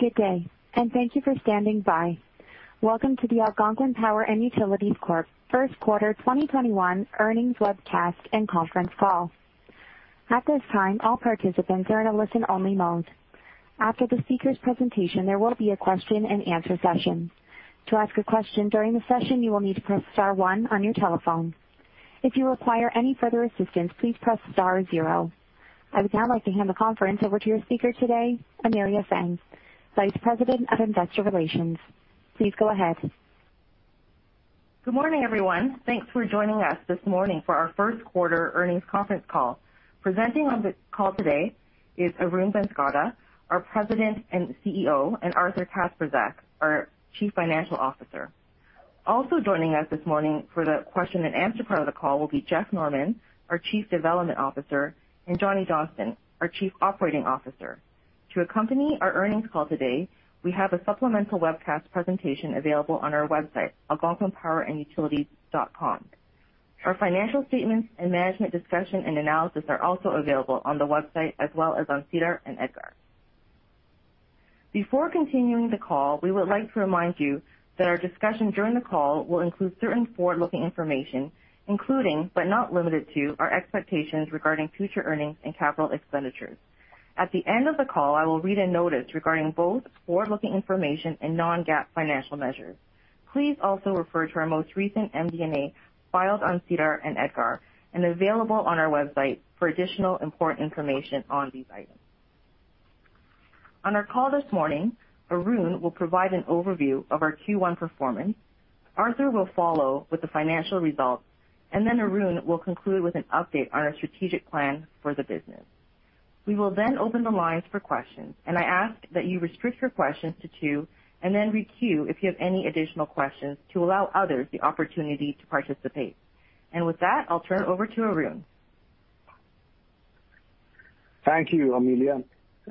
Good day, and thank you for standing by. Welcome to the Algonquin Power & Utilities Corp. first quarter 2021 earnings webcast and conference call. At this time, all participants are in a listen-only mode. After the speakers' presentation, there will be a question and answer session. To ask a question during the session, you will need to press star one on your telephone. If you require any further assistance, please press star zero. I would now like to hand the conference over to your speaker today, Amelia Tsang, Vice President of Investor Relations. Please go ahead. Good morning, everyone. Thanks for joining us this morning for our first-quarter earnings conference call. Presenting on the call today is Arun Banskota, our President and CEO, and Arthur Kacprzak, our Chief Financial Officer. Also joining us this morning for the question and answer part of the call will be Jeff Norman, our Chief Development Officer, and Johnny Johnston, our Chief Operating Officer. To accompany our earnings call today, we have a supplemental webcast presentation available on our website, algonquinpowerandutilities.com. Our financial statements and management discussion and analysis are also available on the website as well as on SEDAR and EDGAR. Before continuing the call, we would like to remind you that our discussion during the call will include certain forward-looking information, including, but not limited to, our expectations regarding future earnings and capital expenditures. At the end of the call, I will read a notice regarding both forward-looking information and non-GAAP financial measures. Please also refer to our most recent MD&A filed on SEDAR and EDGAR and available on our website for additional important information on these items. On our call this morning, Arun will provide an overview of our Q1 performance. Arthur will follow with the financial results, and then Arun will conclude with an update on our strategic plan for the business. We will then open the lines for questions, and I ask that you restrict your questions to two and then re-queue if you have any additional questions to allow others the opportunity to participate. With that, I'll turn it over to Arun. Thank you, Amelia,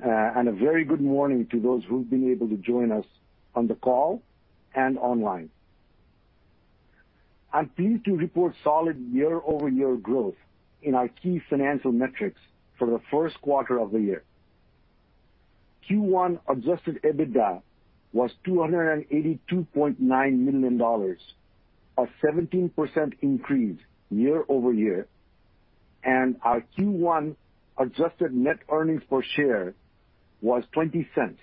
a very good morning to those who've been able to join us on the call and online. I'm pleased to report solid year-over-year growth in our key financial metrics for the first quarter of the year. Q1 adjusted EBITDA was $282.9 million, a 17% increase year-over-year, our Q1 adjusted net earnings per share was $0.20,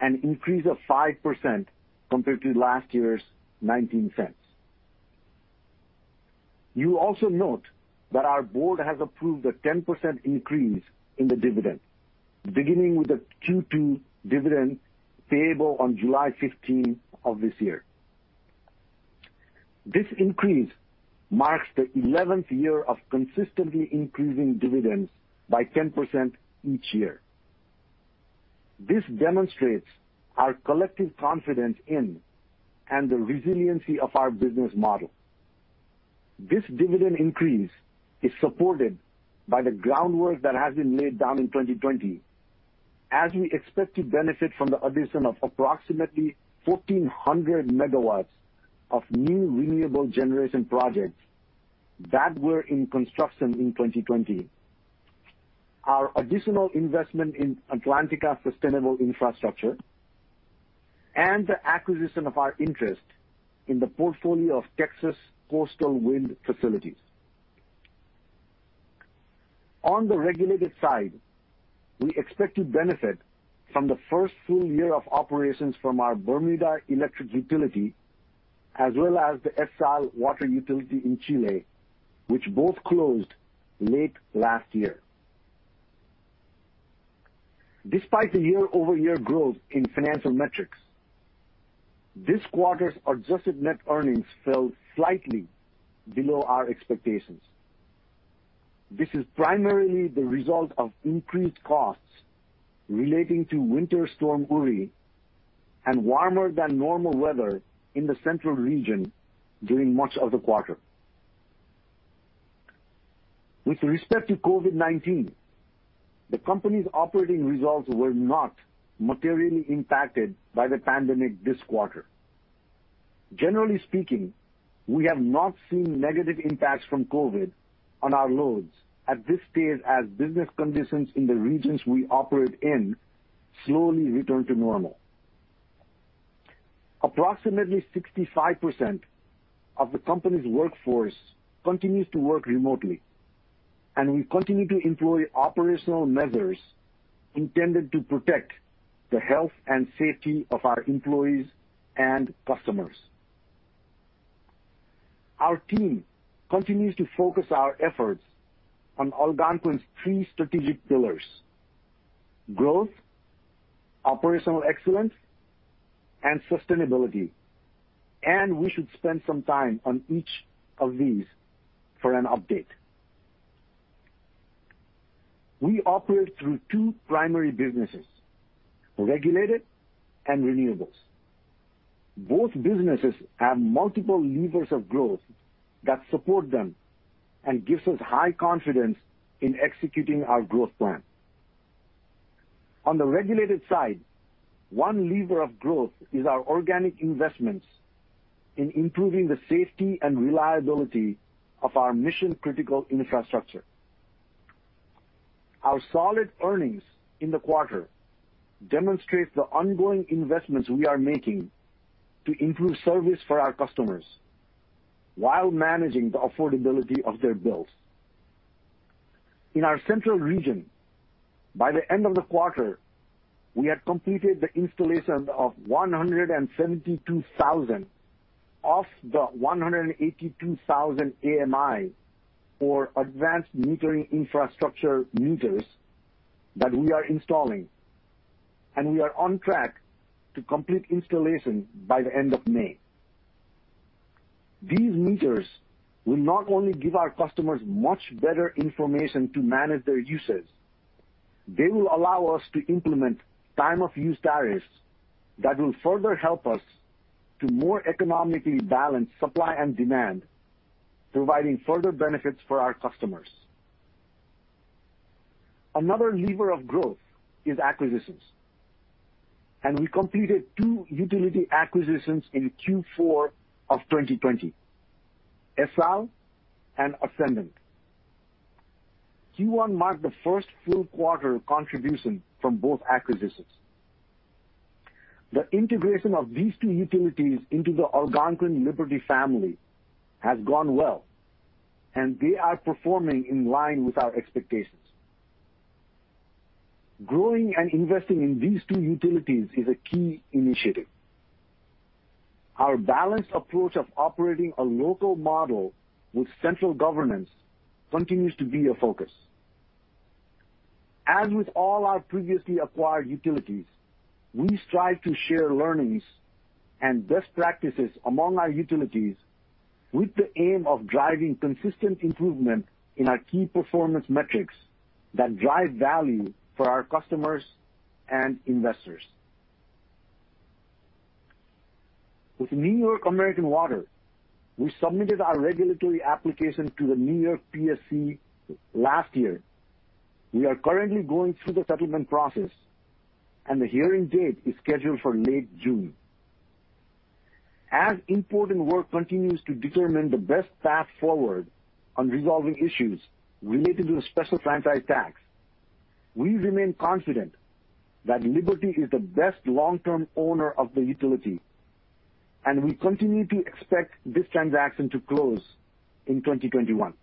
an increase of 5% compared to last year's $0.19. You will also note that our board has approved a 10% increase in the dividend, beginning with the Q2 dividend payable on July 15 of this year. This increase marks the 11th year of consistently increasing dividends by 10% each year. This demonstrates our collective confidence in and the resiliency of our business model. This dividend increase is supported by the groundwork that has been laid down in 2020 as we expect to benefit from the addition of approximately 1,400 MW of new renewable generation projects that were in construction in 2020. We also expect to benefit from our additional investment in Atlantica Sustainable Infrastructure and the acquisition of our interest in the portfolio of Texas Coastal Wind facilities. On the regulated side, we expect to benefit from the first full year of operations from our Bermuda electric utility as well as the ESSAL water utility in Chile, which both closed late last year. Despite the year-over-year growth in financial metrics, this quarter's adjusted net earnings fell slightly below our expectations. This is primarily the result of increased costs relating to Winter Storm Uri and warmer than normal weather in the central region during much of the quarter. With respect to COVID-19, the company's operating results were not materially impacted by the pandemic this quarter. Generally speaking, we have not seen negative impacts from COVID on our loads at this stage as business conditions in the regions we operate in slowly return to normal. Approximately 65% of the company's workforce continues to work remotely, and we continue to employ operational measures intended to protect the health and safety of our employees and customers. Our team continues to focus our efforts on Algonquin's three strategic pillars: growth, operational excellence, and sustainability. We should spend some time on each of these for an update. We operate through two primary businesses, regulated and renewables. Both businesses have multiple levers of growth that support them and gives us high confidence in executing our growth plan. On the regulated side, one lever of growth is our organic investments in improving the safety and reliability of our mission-critical infrastructure. Our solid earnings in the quarter demonstrate the ongoing investments we are making to improve service for our customers while managing the affordability of their bills. In our central region, by the end of the quarter, we had completed the installation of 172,000 of the 182,000 AMI, or advanced metering infrastructure meters, that we are installing. We are on track to complete installation by the end of May. These meters will not only give our customers much better information to manage their usage, they will allow us to implement time of use tariffs that will further help us to more economically balance supply and demand, providing further benefits for our customers. Another lever of growth is acquisitions. We completed two utility acquisitions in Q4 of 2020, ESSAL and Ascendant. Q1 marked the first full quarter contribution from both acquisitions. The integration of these two utilities into the Algonquin Liberty family has gone well. They are performing in line with our expectations. Growing and investing in these two utilities is a key initiative. Our balanced approach of operating a local model with central governance continues to be a focus. As with all our previously acquired utilities, we strive to share learnings and best practices among our utilities with the aim of driving consistent improvement in our key performance metrics that drive value for our customers and investors. With New York American Water, we submitted our regulatory application to the New York PSC last year. We are currently going through the settlement process, and the hearing date is scheduled for late June. As important work continues to determine the best path forward on resolving issues related to the special franchise tax, we remain confident that Liberty is the best long-term owner of the utility, and we continue to expect this transaction to close in 2021.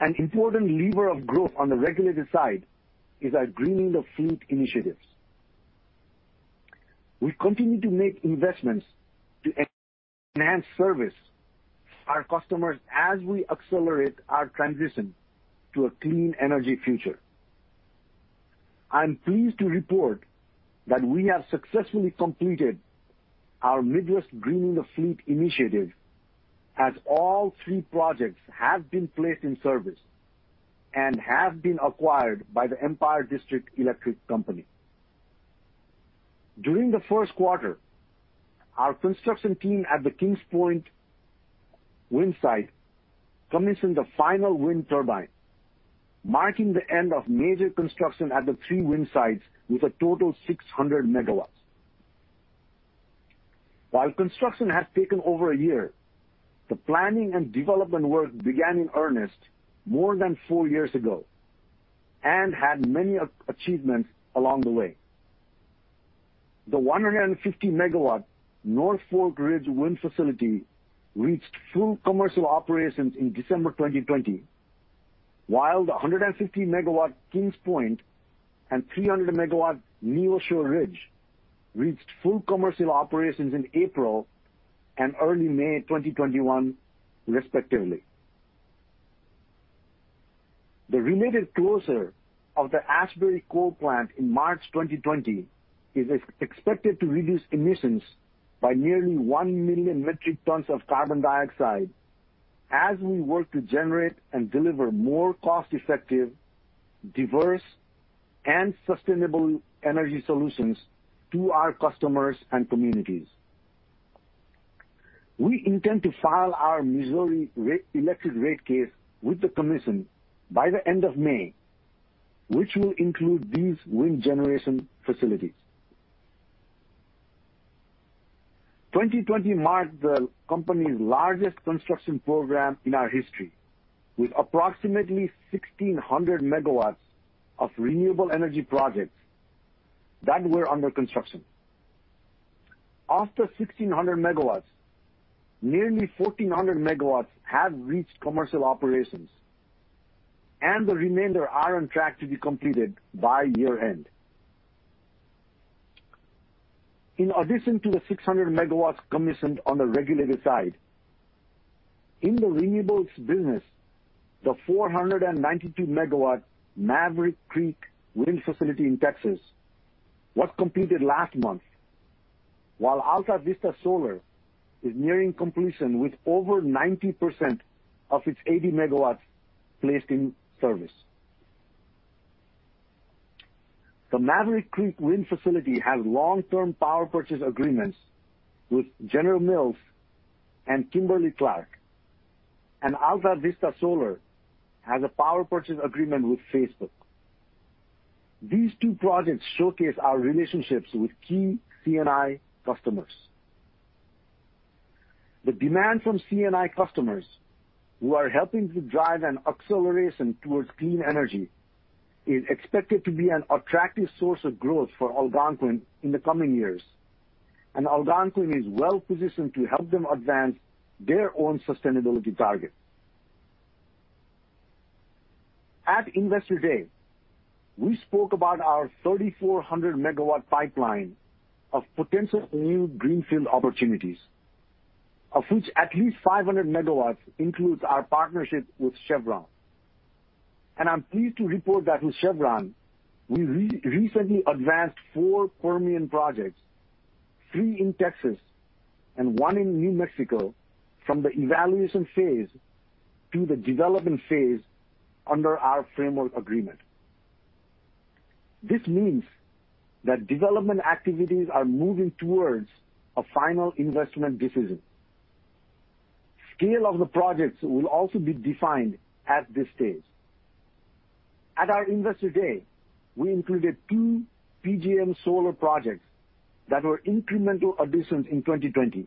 An important lever of growth on the regulated side is our Greening the Fleet initiatives. We continue to make investments to enhance service for our customers as we accelerate our transition to a clean energy future. I'm pleased to report that we have successfully completed our Midwest Greening the Fleet initiative, as all three projects have been placed in service and have been acquired by The Empire District Electric Company. During the first quarter, our construction team at the Kings Point wind site commissioned the final wind turbine, marking the end of major construction at the three wind sites with a total 600 MW. While construction has taken over a year, the planning and development work began in earnest more than four years ago and had many achievements along the way. The 150 MW North Fork Ridge facility reached full commercial operations in December 2020, while the 150 MW Kings Point and 300 MW Neosho Ridge reached full commercial operations in April and early May 2021, respectively. The related closure of the Asbury coal plant in March 2020 is expected to reduce emissions by nearly 1 million metric tons of carbon dioxide as we work to generate and deliver more cost-effective, diverse, and sustainable energy solutions to our customers and communities. We intend to file our Missouri electric rate case with the commission by the end of May, which will include these wind generation facilities. 2020 marked the company's largest construction program in our history, with approximately 1,600 MW of renewable energy projects that were under construction. Of the 1,600 MW, nearly 1,400 MW have reached commercial operations, and the remainder are on track to be completed by year-end. In addition to the 600 MW commissioned on the regulated side, in the renewables business, the 492-MW Maverick Creek Wind facility in Texas was completed last month, while Altavista Solar is nearing completion with over 90% of its 80 MW placed in service. The Maverick Creek Wind facility has long-term power purchase agreements with General Mills and Kimberly-Clark, and Altavista Solar has a power purchase agreement with Facebook. These two projects showcase our relationships with key C&I customers. The demand from C&I customers, who are helping to drive an acceleration towards clean energy, is expected to be an attractive source of growth for Algonquin in the coming years, and Algonquin is well-positioned to help them advance their own sustainability targets. At Investor Day, we spoke about our 3,400-MW pipeline of potential new greenfield opportunities, of which at least 500 MW includes our partnership with Chevron. I'm pleased to report that with Chevron, we recently advanced four Permian projects, three in Texas and one in New Mexico, from the evaluation phase to the development phase under our framework agreement. This means that development activities are moving towards a final investment decision. Scale of the projects will also be defined at this stage. At our Investor Day, we included two PJM solar projects that were incremental additions in 2020.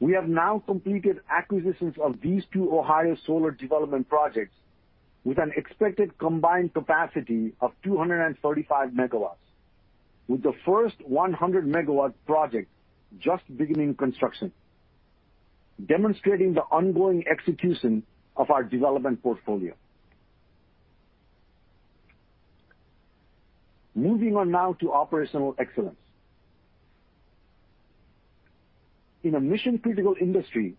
We have now completed acquisitions of these two Ohio solar development projects with an expected combined capacity of 235 MW, with the first 100-MW project just beginning construction, demonstrating the ongoing execution of our development portfolio. Moving on now to operational excellence. In a mission-critical industry,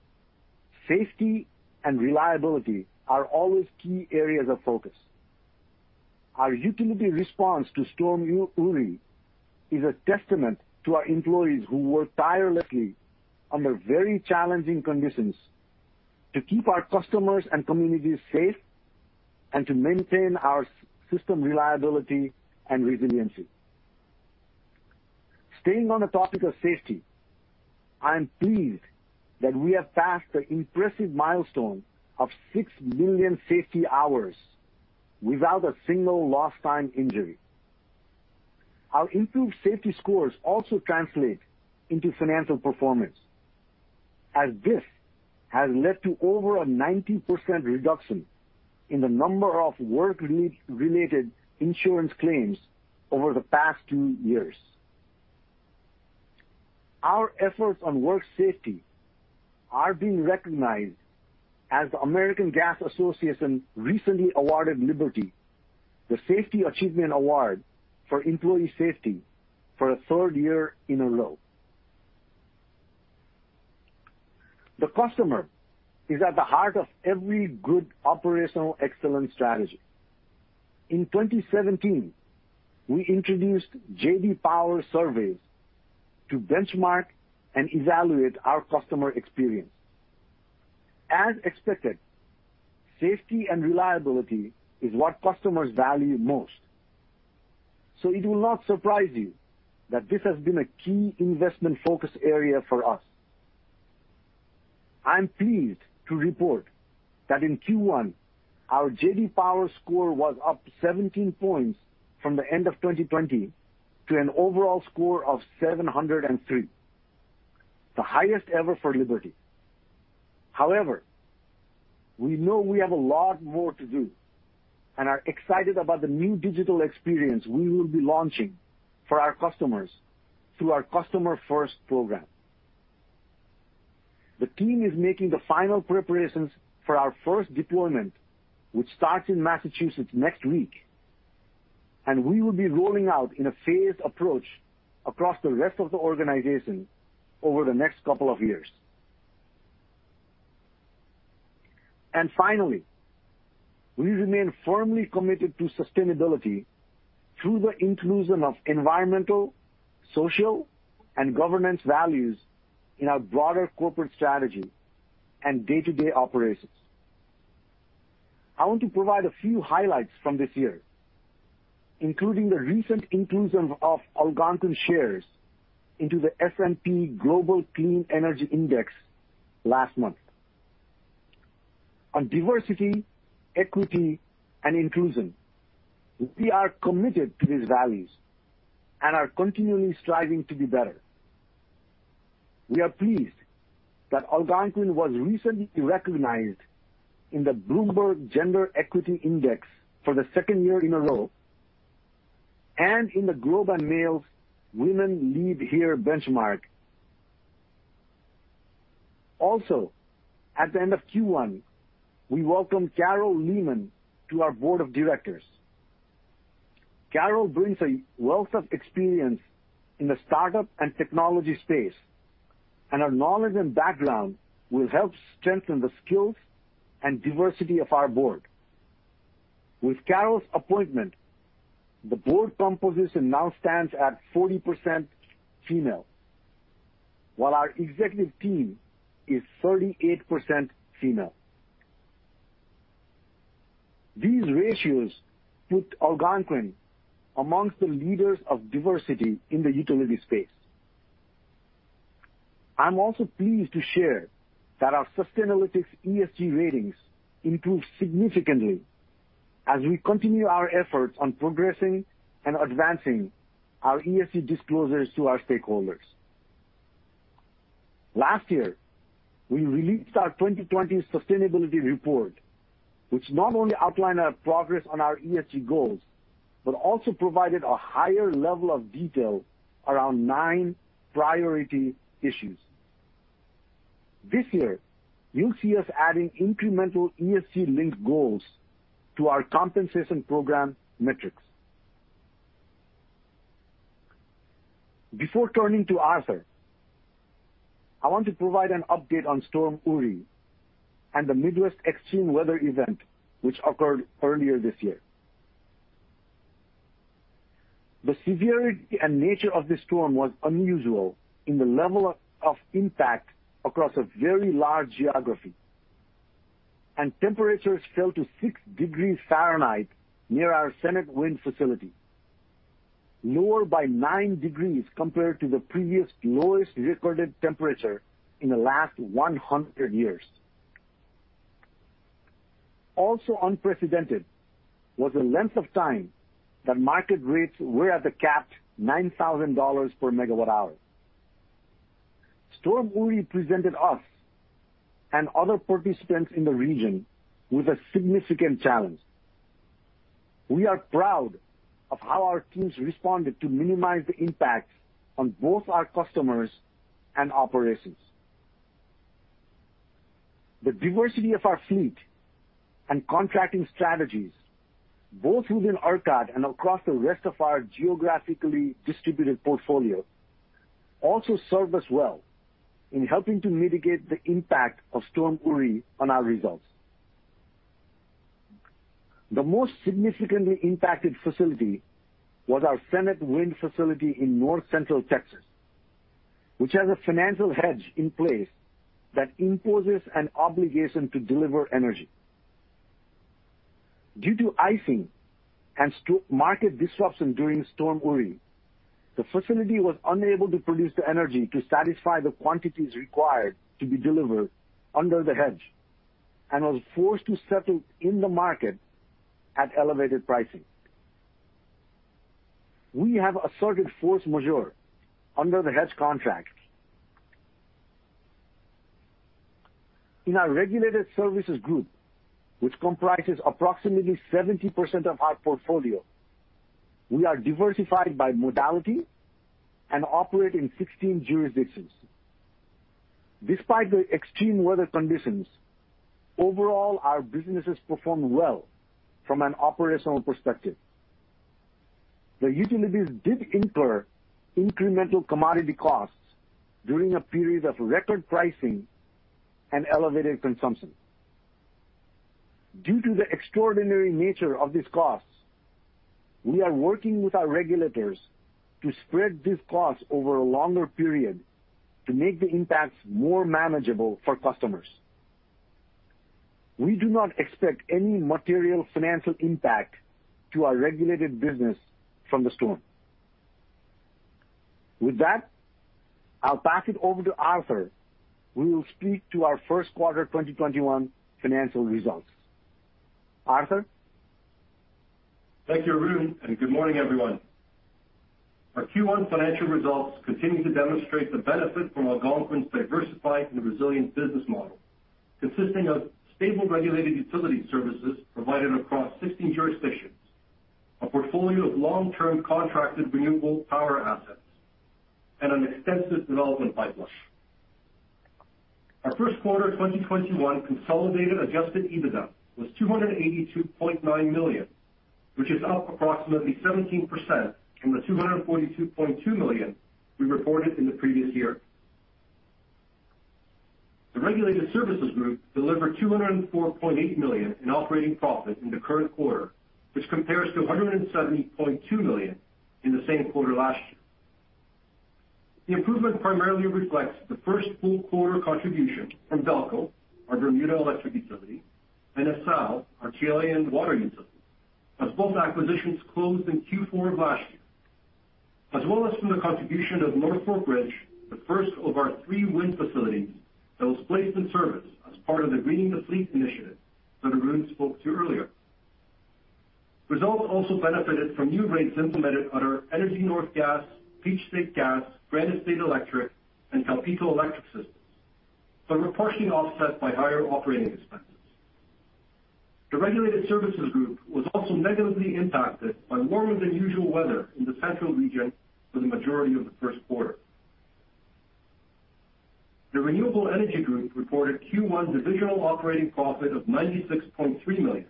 safety and reliability are always key areas of focus. Our utility response to Storm Uri is a testament to our employees who work tirelessly under very challenging conditions to keep our customers and communities safe and to maintain our system reliability and resiliency. Staying on the topic of safety, I am pleased that we have passed the impressive milestone of 6 million safety hours without a single lost time injury. Our improved safety scores also translate into financial performance, as this has led to over a 90% reduction in the number of work-related insurance claims over the past two years. Our efforts on work safety are being recognized as the American Gas Association recently awarded Liberty the Safety Achievement Award for employee safety for a third year in a row. The customer is at the heart of every good operational excellent strategy. In 2017, we introduced J.D. Power surveys to benchmark and evaluate our customer experience. As expected, safety and reliability is what customers value most. It will not surprise you that this has been a key investment focus area for us. I'm pleased to report that in Q1, our J.D. Power score was up 17 points from the end of 2020 to an overall score of 703, the highest ever for Liberty. However, we know we have a lot more to do and are excited about the new digital experience we will be launching for our customers through our Customer First program. The team is making the final preparations for our first deployment, which starts in Massachusetts next week. We will be rolling out in a phased approach across the rest of the organization over the next couple of years. Finally, we remain firmly committed to sustainability through the inclusion of environmental, social, and governance values in our broader corporate strategy and day-to-day operations. I want to provide a few highlights from this year, including the recent inclusion of Algonquin shares into the S&P Global Clean Energy Index last month. On diversity, equity, and inclusion, we are committed to these values and are continually striving to be better. We are pleased that Algonquin was recently recognized in the Bloomberg Gender-Equality Index for the second year in a row and in the Globe and Mail's Women Lead Here benchmark. At the end of Q1, we welcomed Carol Leaman to our Board of Directors. Carol brings a wealth of experience in the startup and technology space, and her knowledge and background will help strengthen the skills and diversity of our board. With Carol's appointment, the board composition now stands at 40% female, while our executive team is 38% female. These ratios put Algonquin amongst the leaders of diversity in the utility space. I'm also pleased to share that our Sustainalytics ESG ratings improved significantly as we continue our efforts on progressing and advancing our ESG disclosures to our stakeholders. Last year, we released our 2020 sustainability report, which not only outlined our progress on our ESG goals, but also provided a higher level of detail around nine priority issues. This year, you'll see us adding incremental ESG-linked goals to our compensation program metrics. Before turning to Arthur, I want to provide an update on Storm Uri and the Midwest extreme weather event which occurred earlier this year. The severity and nature of this storm was unusual in the level of impact across a very large geography, and temperatures fell to six degrees Fahrenheit near our Senate Wind facility, lower by nine degrees compared to the previous lowest recorded temperature in the last 100 years. Also unprecedented was the length of time that market rates were at the capped $9,000 per MWh. Storm Uri presented us and other participants in the region with a significant challenge. We are proud of how our teams responded to minimize the impact on both our customers and operations. The diversity of our fleet and contracting strategies, both within ERCOT and across the rest of our geographically distributed portfolio, also served us well in helping to mitigate the impact of Storm Uri on our results. The most significantly impacted facility was our Senate Wind facility in North Central Texas, which has a financial hedge in place that imposes an obligation to deliver energy. Due to icing and market disruption during Storm Uri, the facility was unable to produce the energy to satisfy the quantities required to be delivered under the hedge and was forced to settle in the market at elevated pricing. We have asserted force majeure under the hedge contract. In our regulated services group, which comprises approximately 70% of our portfolio, we are diversified by modality and operate in 16 jurisdictions. Despite the extreme weather conditions, overall, our businesses performed well from an operational perspective. The utilities did incur incremental commodity costs during a period of record pricing and elevated consumption. Due to the extraordinary nature of these costs, we are working with our regulators to spread these costs over a longer period to make the impacts more manageable for customers. We do not expect any material financial impact to our regulated business from the storm. With that, I'll pass it over to Arthur, who will speak to our first quarter 2021 financial results. Arthur? Thank you, Arun. Good morning, everyone. Our Q1 financial results continue to demonstrate the benefit from Algonquin's diversified and resilient business model, consisting of stable regulated utility services provided across 16 jurisdictions, a portfolio of long-term contracted renewable power assets, and an extensive development pipeline. Our first quarter 2021 consolidated adjusted EBITDA was $282.9 million, which is up approximately 17% from the $242.2 million we reported in the previous year. The regulated services group delivered 204.8 million in operating profit in the current quarter, which compares to 170.2 million in the same quarter last year. The improvement primarily reflects the first full quarter contribution from BELCO, our Bermuda electric utility, and ESSAL, our Chilean water utility, as both acquisitions closed in Q4 of last year. As well as from the contribution of North Fork Ridge, the first of our three wind facilities that was placed in service as part of the Greening the Fleet initiative that Arun spoke to earlier. Results also benefited from new rates implemented at our Energy North Gas, Peach State Gas, Granite State Electric, and CalPeco Electric systems, but were partially offset by higher operating expenses. The regulated services group was also negatively impacted by warmer-than-usual weather in the central region for the majority of the first quarter. The Renewable Energy Group reported Q1 divisional operating profit of 96.3 million,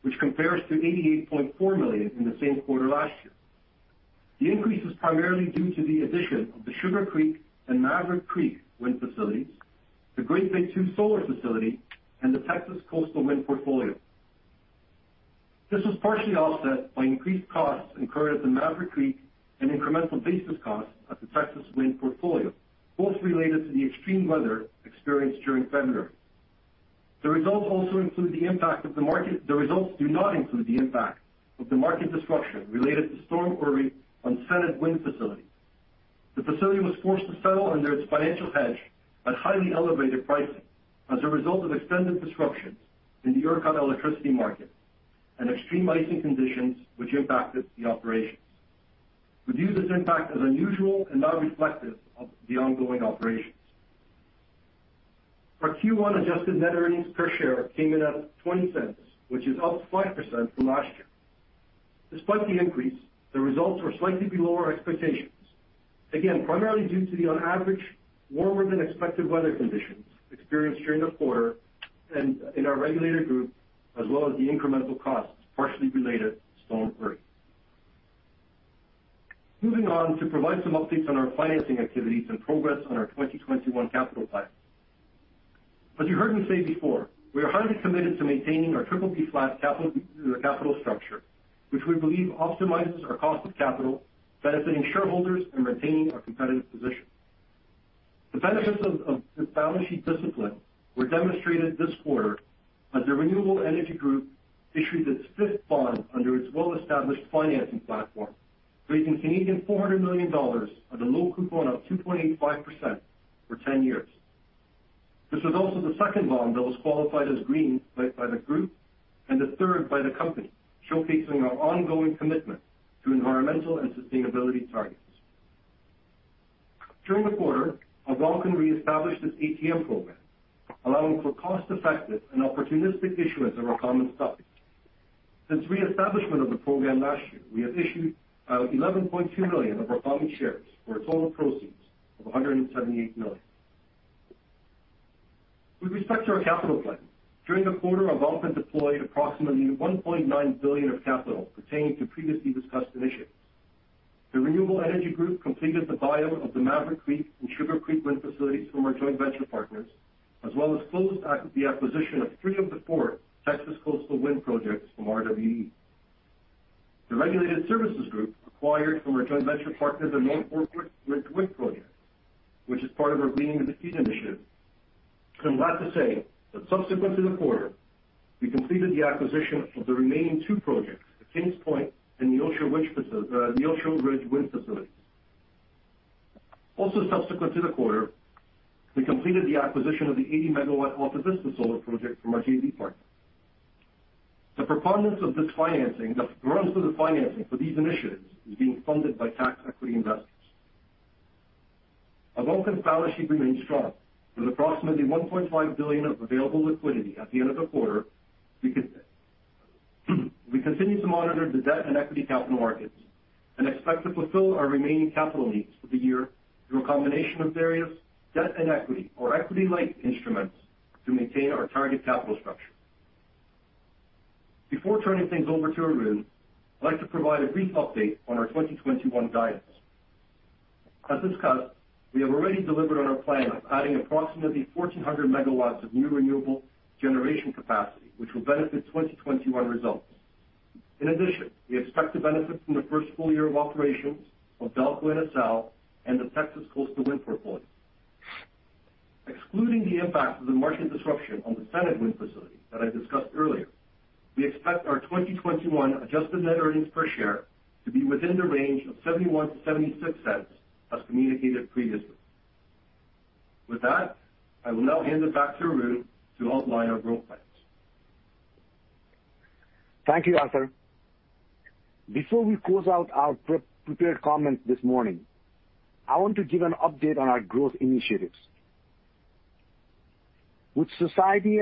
which compares to 88.4 million in the same quarter last year. The increase was primarily due to the addition of the Sugar Creek and Maverick Creek wind facilities, the Great Bay II solar facility, and the Texas Coastal Wind portfolio. This was partially offset by increased costs incurred at the Maverick Creek and incremental basis costs at the Texas Coastal Wind, both related to the extreme weather experienced during February. The results do not include the impact of the market disruption related to Storm Uri on Senate Wind facility. The facility was forced to settle under its financial hedge at highly elevated pricing as a result of extended disruptions in the ERCOT electricity market and extreme icing conditions which impacted the operations. We view this impact as unusual and not reflective of the ongoing operations. Our Q1 adjusted net earnings per share came in at $0.20, which is up 5% from last year. Despite the increase, the results were slightly below our expectations. Again, primarily due to the on average, warmer-than-expected weather conditions experienced during the quarter and in our regulated group, as well as the incremental costs partially related to Storm Uri. Moving on to provide some updates on our financing activities and progress on our 2021 capital plan. As you heard me say before, we are highly committed to maintaining our BBB flat capital structure, which we believe optimizes our cost of capital, benefiting shareholders and retaining our competitive position. The benefits of the balance sheet discipline were demonstrated this quarter as the Renewable Energy Group issued its fifth bond under its well-established financing platform, raising 400 million Canadian dollars at a low coupon of 2.85% for 10 years. This was also the second bond that was qualified as green by the group, and the third by the company, showcasing our ongoing commitment to environmental and sustainability targets. During the quarter, Algonquin reestablished its ATM program, allowing for cost-effective and opportunistic issuance of our common stock. Since reestablishment of the program last year, we have issued 11.2 million of our common shares for total proceeds of 178 million. With respect to our capital plan, during the quarter, Algonquin deployed approximately 1.9 billion of capital pertaining to previously discussed initiatives. The Renewable Energy Group completed the buyout of the Maverick Creek and Sugar Creek wind facilities from our joint venture partners, as well as closed the acquisition of three of the four Texas Coastal Wind projects from RWE. The Regulated Services Group acquired from our joint venture partners the North Fork Ridge Wind Project, which is part of our Greening the Fleet Initiative. I'm glad to say that subsequent to the quarter, we completed the acquisition of the remaining two projects, the Kings Point and the Neosho Ridge Wind Facilities. Also subsequent to the quarter, we completed the acquisition of the 80 MW Altavista Solar Project from our JV partners. The preponderance of this financing for these initiatives is being funded by tax equity investors. Algonquin's balance sheet remains strong with approximately 1.5 billion of available liquidity at the end of the quarter. We continue to monitor the debt and equity capital markets and expect to fulfill our remaining capital needs for the year through a combination of various debt and equity or equity-like instruments to maintain our target capital structure. Before turning things over to Arun, I'd like to provide a brief update on our 2021 guidance. As discussed, we have already delivered on our plan of adding approximately 1,400 MW of new renewable generation capacity, which will benefit 2021 results. In addition, we expect to benefit from the first full year of operations of BELCO and ESSAL and the Texas Coastal Wind portfolio. Excluding the impact of the market disruption on the Senate Wind facility that I discussed earlier, we expect our 2021 adjusted net earnings per share to be within the range of $0.71-$0.76 as communicated previously. I will now hand it back to Arun to outline our growth plans. Thank you, Arthur. Before we close out our prepared comments this morning, I want to give an update on our growth initiatives. With society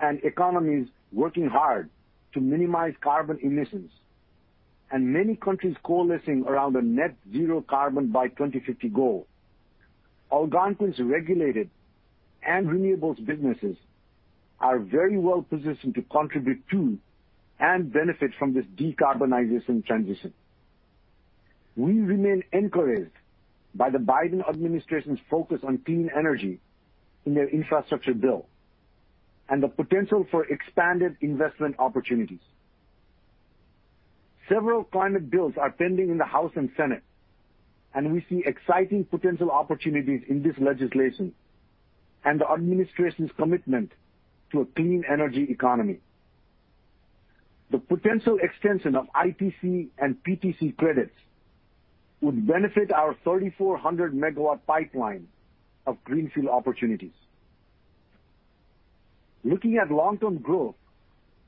and economies working hard to minimize carbon emissions and many countries coalescing around a net zero carbon by 2050 goal, Algonquin's regulated and renewables businesses are very well-positioned to contribute to and benefit from this decarbonization transition. We remain encouraged by the Biden administration's focus on clean energy in their infrastructure bill and the potential for expanded investment opportunities. Several climate bills are pending in the House and Senate, and we see exciting potential opportunities in this legislation and the administration's commitment to a clean energy economy. The potential extension of ITC and PTC credits would benefit our 3,400-MW pipeline of greenfield opportunities. Looking at long-term growth,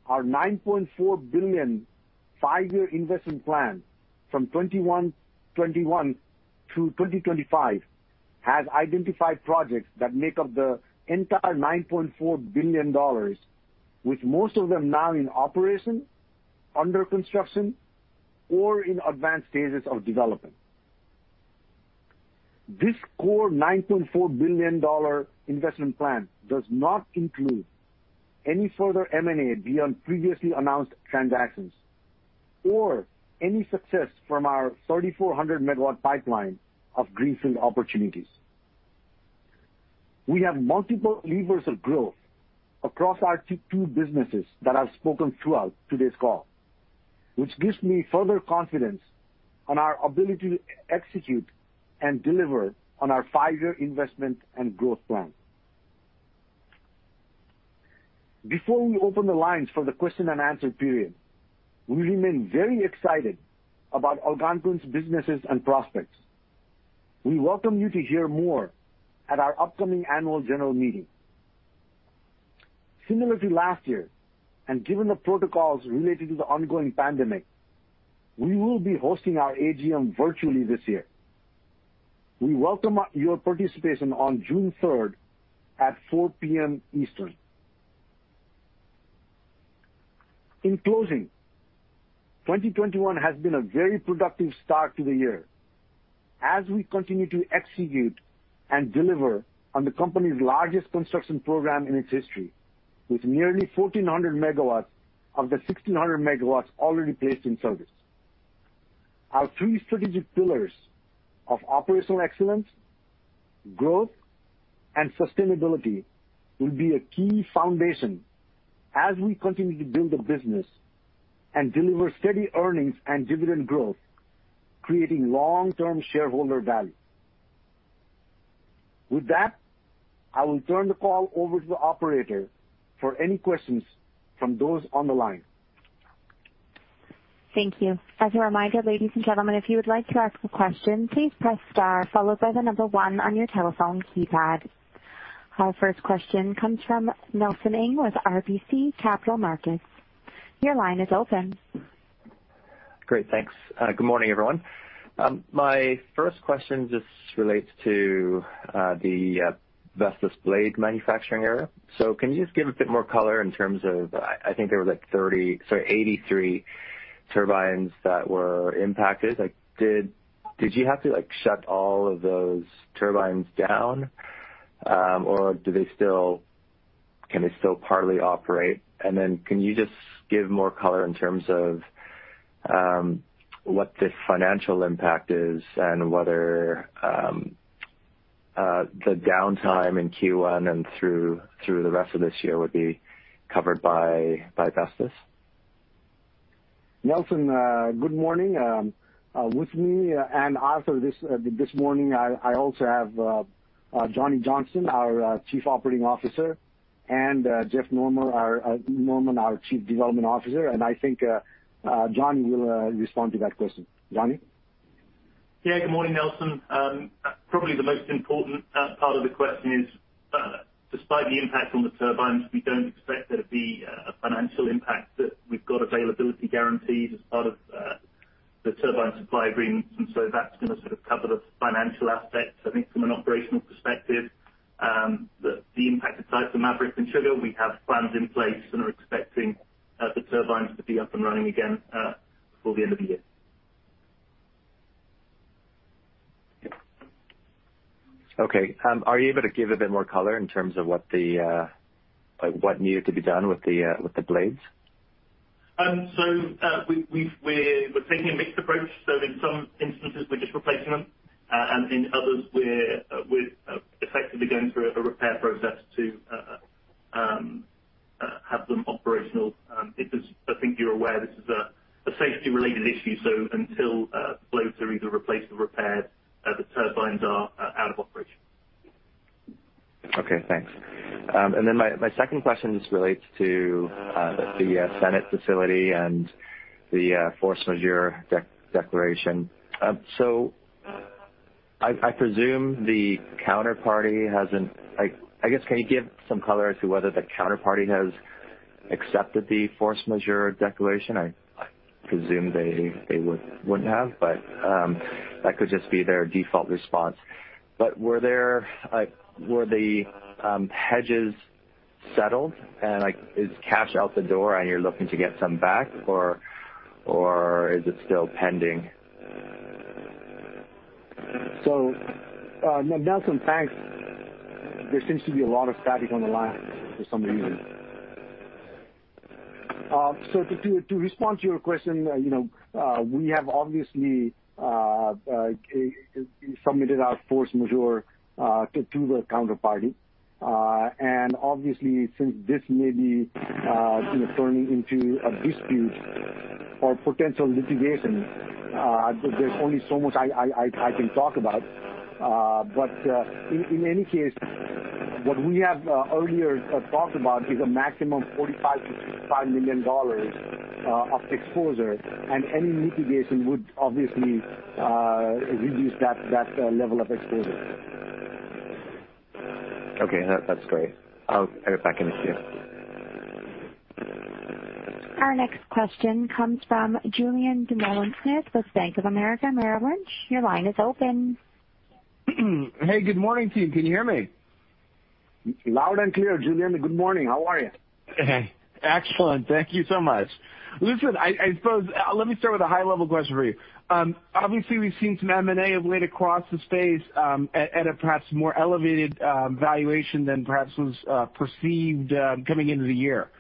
our 9.4 billion five-year investment plan from 2021 through 2025 has identified projects that make up the entire 9.4 billion dollars, with most of them now in operation, under construction, or in advanced stages of development. This core 9.4 billion dollar investment plan does not include any further M&A beyond previously announced transactions or any success from our 3,400-MW pipeline of greenfield opportunities. We have multiple levers of growth across our two businesses that I've spoken throughout today's call, which gives me further confidence on our ability to execute and deliver on our five-year investment and growth plan. Before we open the lines for the question and answer period, we remain very excited about Algonquin's businesses and prospects. We welcome you to hear more at our upcoming annual general meeting. Similarly to last year, and given the protocols related to the ongoing pandemic, we will be hosting our AGM virtually this year. We welcome your participation on June 3rd at 4:00 P.M. Eastern. In closing, 2021 has been a very productive start to the year as we continue to execute and deliver on the company's largest construction program in its history, with nearly 1,400 MW of the 1,600 MW already placed in service. Our three strategic pillars of operational excellence, growth, and sustainability will be a key foundation as we continue to build the business and deliver steady earnings and dividend growth, creating long-term shareholder value. With that, I will turn the call over to the operator for any questions from those on the line. Thank you. As a reminder, ladies and gentlemen, if you would like to ask a question, please press star followed by the number one on your telephone keypad. Our first question comes from Nelson Ng with RBC Capital Markets. Your line is open. Great. Thanks. Good morning, everyone. My first question just relates to the Vestas blade manufacturing area. Can you just give a bit more color in terms of, I think there were 83 turbines that were impacted. Did you have to shut all of those turbines down? Or can they still partly operate? Can you just give more color in terms of what the financial impact is and whether the downtime in Q1 and through the rest of this year would be covered by Vestas? Nelson, good morning. With me and Arthur this morning, I also have Johnny Johnston, our Chief Operating Officer, and Jeff Norman, our Chief Development Officer, and I think Johnny will respond to that question. Johnny? Yeah. Good morning, Nelson. Probably the most important part of the question is, despite the impact on the turbines, we don't expect there to be a financial impact, that we've got availability guarantees as part of the turbine supply agreements, and so that's going to sort of cover the financial aspects. I think from an operational perspective, the impact of sites at Maverick and Sugar, we have plans in place and are expecting the turbines to be up and running again before the end of the year. Are you able to give a bit more color in terms of what needed to be done with the blades? We're taking a mixed approach. In some instances, we're just replacing them, and in others, we're effectively going through a repair process to have them operational. I think you're aware this is a safety-related issue, so until the blades are either replaced or repaired, the turbines are out of operation. Okay, thanks. My second question just relates to the Senate facility and the force majeure declaration. I presume the counterparty, I guess, can you give some color as to whether the counterparty has accepted the force majeure declaration? I presume they wouldn't have, but that could just be their default response. Were the hedges settled, and is cash out the door and you're looking to get some back, or is it still pending? Nelson, thanks. There seems to be a lot of static on the line for some reason. To respond to your question, we have obviously submitted our force majeure to the counterparty. Obviously, since this may be turning into a dispute or potential litigation, there's only so much I can talk about. In any case, what we have earlier talked about is a maximum 45 million-65 million dollars of exposure, and any litigation would obviously reduce that level of exposure. Okay. That's great. I'll get back in the queue. Our next question comes from Julien Dumoulin-Smith with Bank of America Merrill Lynch. Your line is open. Hey, good morning, team. Can you hear me? Loud and clear, Julien. Good morning. How are you? Excellent. Thank you so much. Listen, let me start with a high-level question for you. Obviously, we've seen some M&A of late across the space, at a perhaps more elevated valuation than perhaps was perceived coming into the year,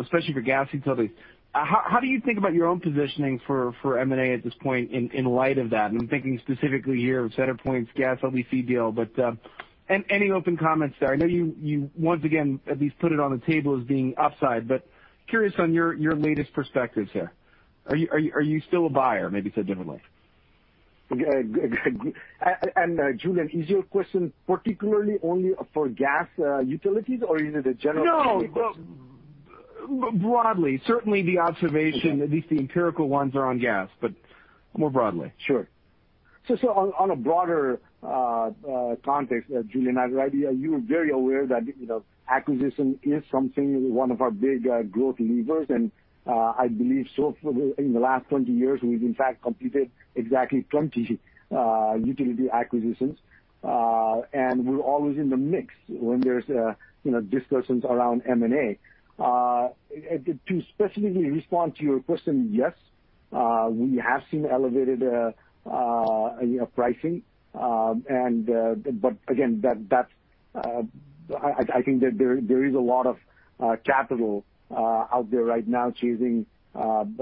especially for gas utilities. How do you think about your own positioning for M&A at this point in light of that? I'm thinking specifically here of CenterPoint's gas LDC deal. Any open comments there? I know you once again at least put it on the table as being upside. Curious on your latest perspectives here. Are you still a buyer, maybe put it differently? Okay. Julien, is your question particularly only for gas utilities or is it a general utility question? No. Broadly. Certainly the observation, at least the empirical ones, are on gas, but more broadly. Sure. On a broader context, Julien, you are very aware that acquisition is something, one of our big growth levers. I believe so far in the last 20 years, we've in fact completed exactly 20 utility acquisitions. We're always in the mix when there's discussions around M&A. To specifically respond to your question, yes, we have seen elevated pricing. Again, I think that there is a lot of capital out there right now chasing targets.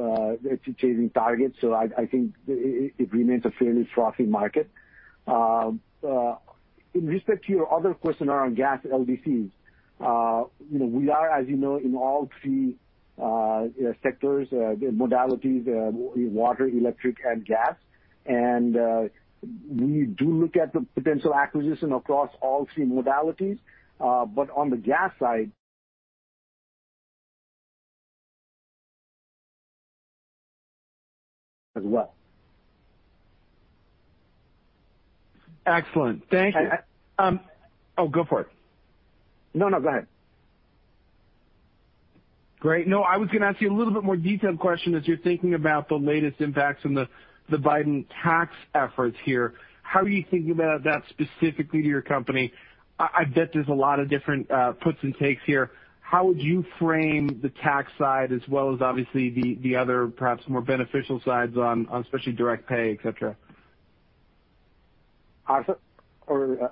I think it remains a fairly frothy market. In respect to your other question around gas LDCs. We are, as you know, in all three sectors, modalities, water, electric and gas. We do look at the potential acquisition across all three modalities. On the gas side as well. Excellent. Thank you. Oh, go for it. No, go ahead. Great. No, I was going to ask you a little bit more detailed question. As you're thinking about the latest impacts from the Biden tax efforts here, how are you thinking about that specifically to your company? I bet there's a lot of different puts and takes here. How would you frame the tax side as well as obviously the other, perhaps more beneficial sides on, especially direct pay, et cetera? Arthur? Or yeah.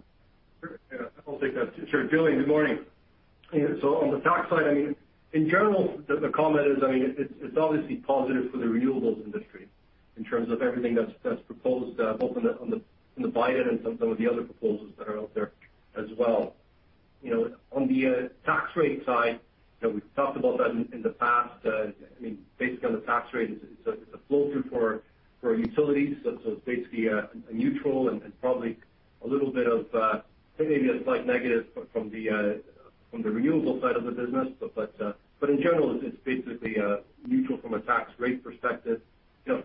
Sure. Yeah. I'll take that. Sure. Julien, good morning. On the tax side, in general, the comment is, it's obviously positive for the renewables industry in terms of everything that's proposed, both on the Biden and some of the other proposals that are out there as well. On the tax rate side, we've talked about that in the past. On the tax rate, it's a flow-through for utilities. It's basically a neutral and probably a little bit of, maybe a slight negative from the renewable side of the business. In general, it's basically neutral from a tax rate perspective.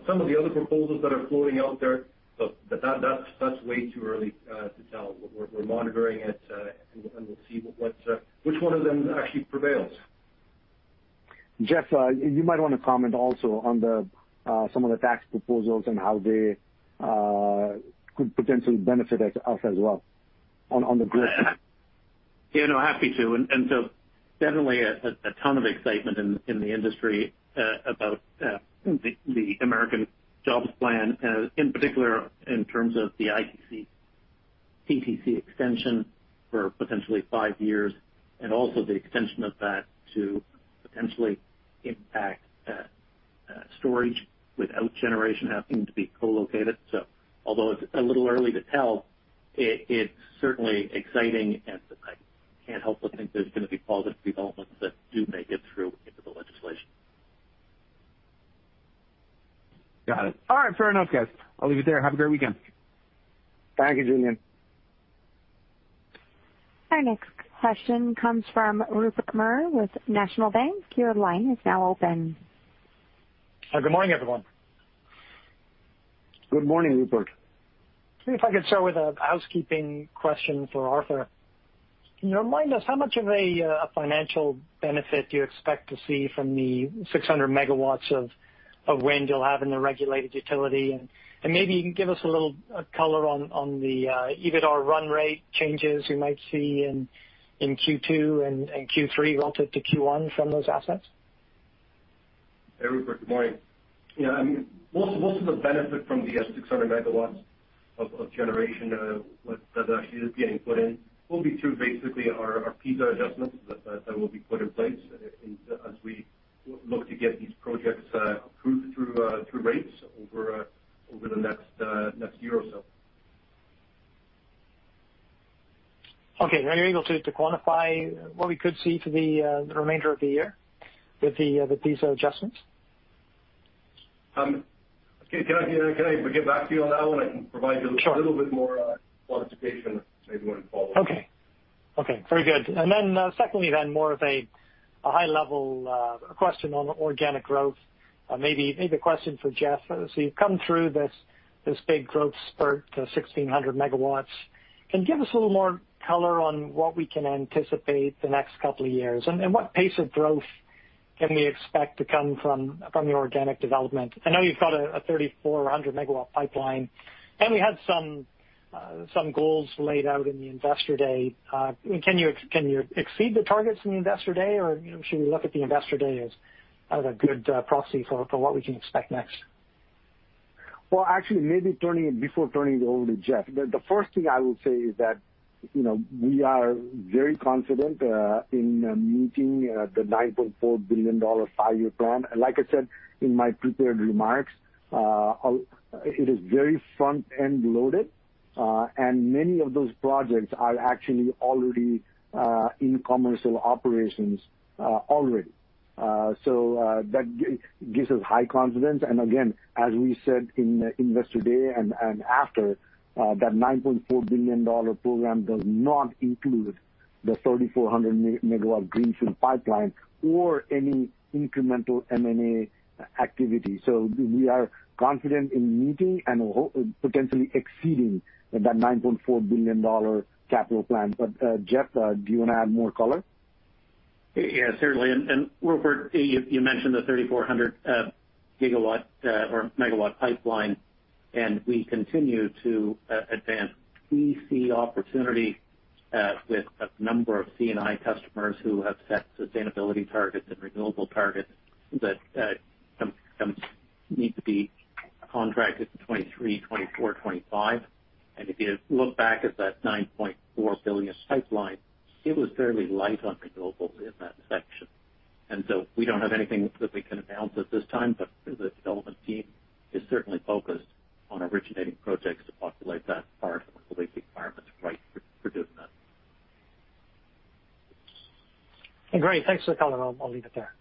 Some of the other proposals that are floating out there. That's way too early to tell. We're monitoring it, and we'll see which one of them actually prevails. Jeff, you might want to comment also on some of the tax proposals and how they could potentially benefit us as well on the grid. Yeah, no, happy to. Definitely a ton of excitement in the industry about the American Jobs Plan, in particular, in terms of the ITC/PTC extension for potentially five years. Also the extension of that to potentially impact storage without generation having to be co-located. Although it's a little early to tell, it's certainly exciting, and I can't help but think there's going to be positive developments that do make it through into the legislation. Got it. All right. Fair enough, guys. I'll leave it there. Have a great weekend. Thank you, Julien. Our next question comes from Rupert Merer with National Bank. Your line is now open. Good morning, everyone. Good morning, Rupert. If I could start with a housekeeping question for Arthur. Can you remind us how much of a financial benefit you expect to see from the 600 MW of wind you'll have in the regulated utility? Maybe you can give us a little color on the EBITDA run rate changes we might see in Q2 and Q3 relative to Q1 from those assets? Hey, Rupert. Good morning. Yeah. Most of the benefit from the 600 MW of generation that actually is being put in will be through basically our PISA adjustments that will be put in place as we look to get these projects approved through rates over the next year or so. Okay. Are you able to quantify what we could see for the remainder of the year with the PISA adjustments? Can I get back to you on that one? I can provide you. Sure. A little bit more quantification maybe when we follow up. Okay. Very good. Secondly, more of a high-level question on organic growth. Maybe a question for Jeff. You've come through this big growth spurt, the 1,600 MW. Can you give us a little more color on what we can anticipate the next couple of years? What pace of growth can we expect to come from the organic development? I know you've got a 3,400-MW pipeline, and we had some goals laid out in the Investor Day. Can you exceed the targets in the Investor Day, or should we look at the Investor Day as a good proxy for what we can expect next? Well, actually, maybe before turning it over to Jeff, the first thing I will say is that we are very confident in meeting the 9.4 billion dollar five-year plan. Like I said in my prepared remarks, it is very front-end loaded. Many of those projects are actually already in commercial operations already. That gives us high confidence. Again, as we said in the Investor Day and after, that 9.4 billion dollar program does not include the 3,400-MW greens and pipeline or any incremental M&A activity. We are confident in meeting and potentially exceeding that 9.4 billion dollar capital plan. Jeff, do you want to add more color? Yeah, certainly. Rupert, you mentioned the 3,400 GW or MW pipeline, and we continue to advance. We see opportunity with a number of C&I customers who have set sustainability targets and renewable targets that need to be contracted in 2023, 2024, 2025. If you look back at that 9.4 billion pipeline, it was fairly light on renewables in that section. We don't have anything that we can announce at this time, but the development team is certainly focused on originating projects to populate that part when the lease requirements are right for doing that. Great. Thanks for the color. I'll leave it there.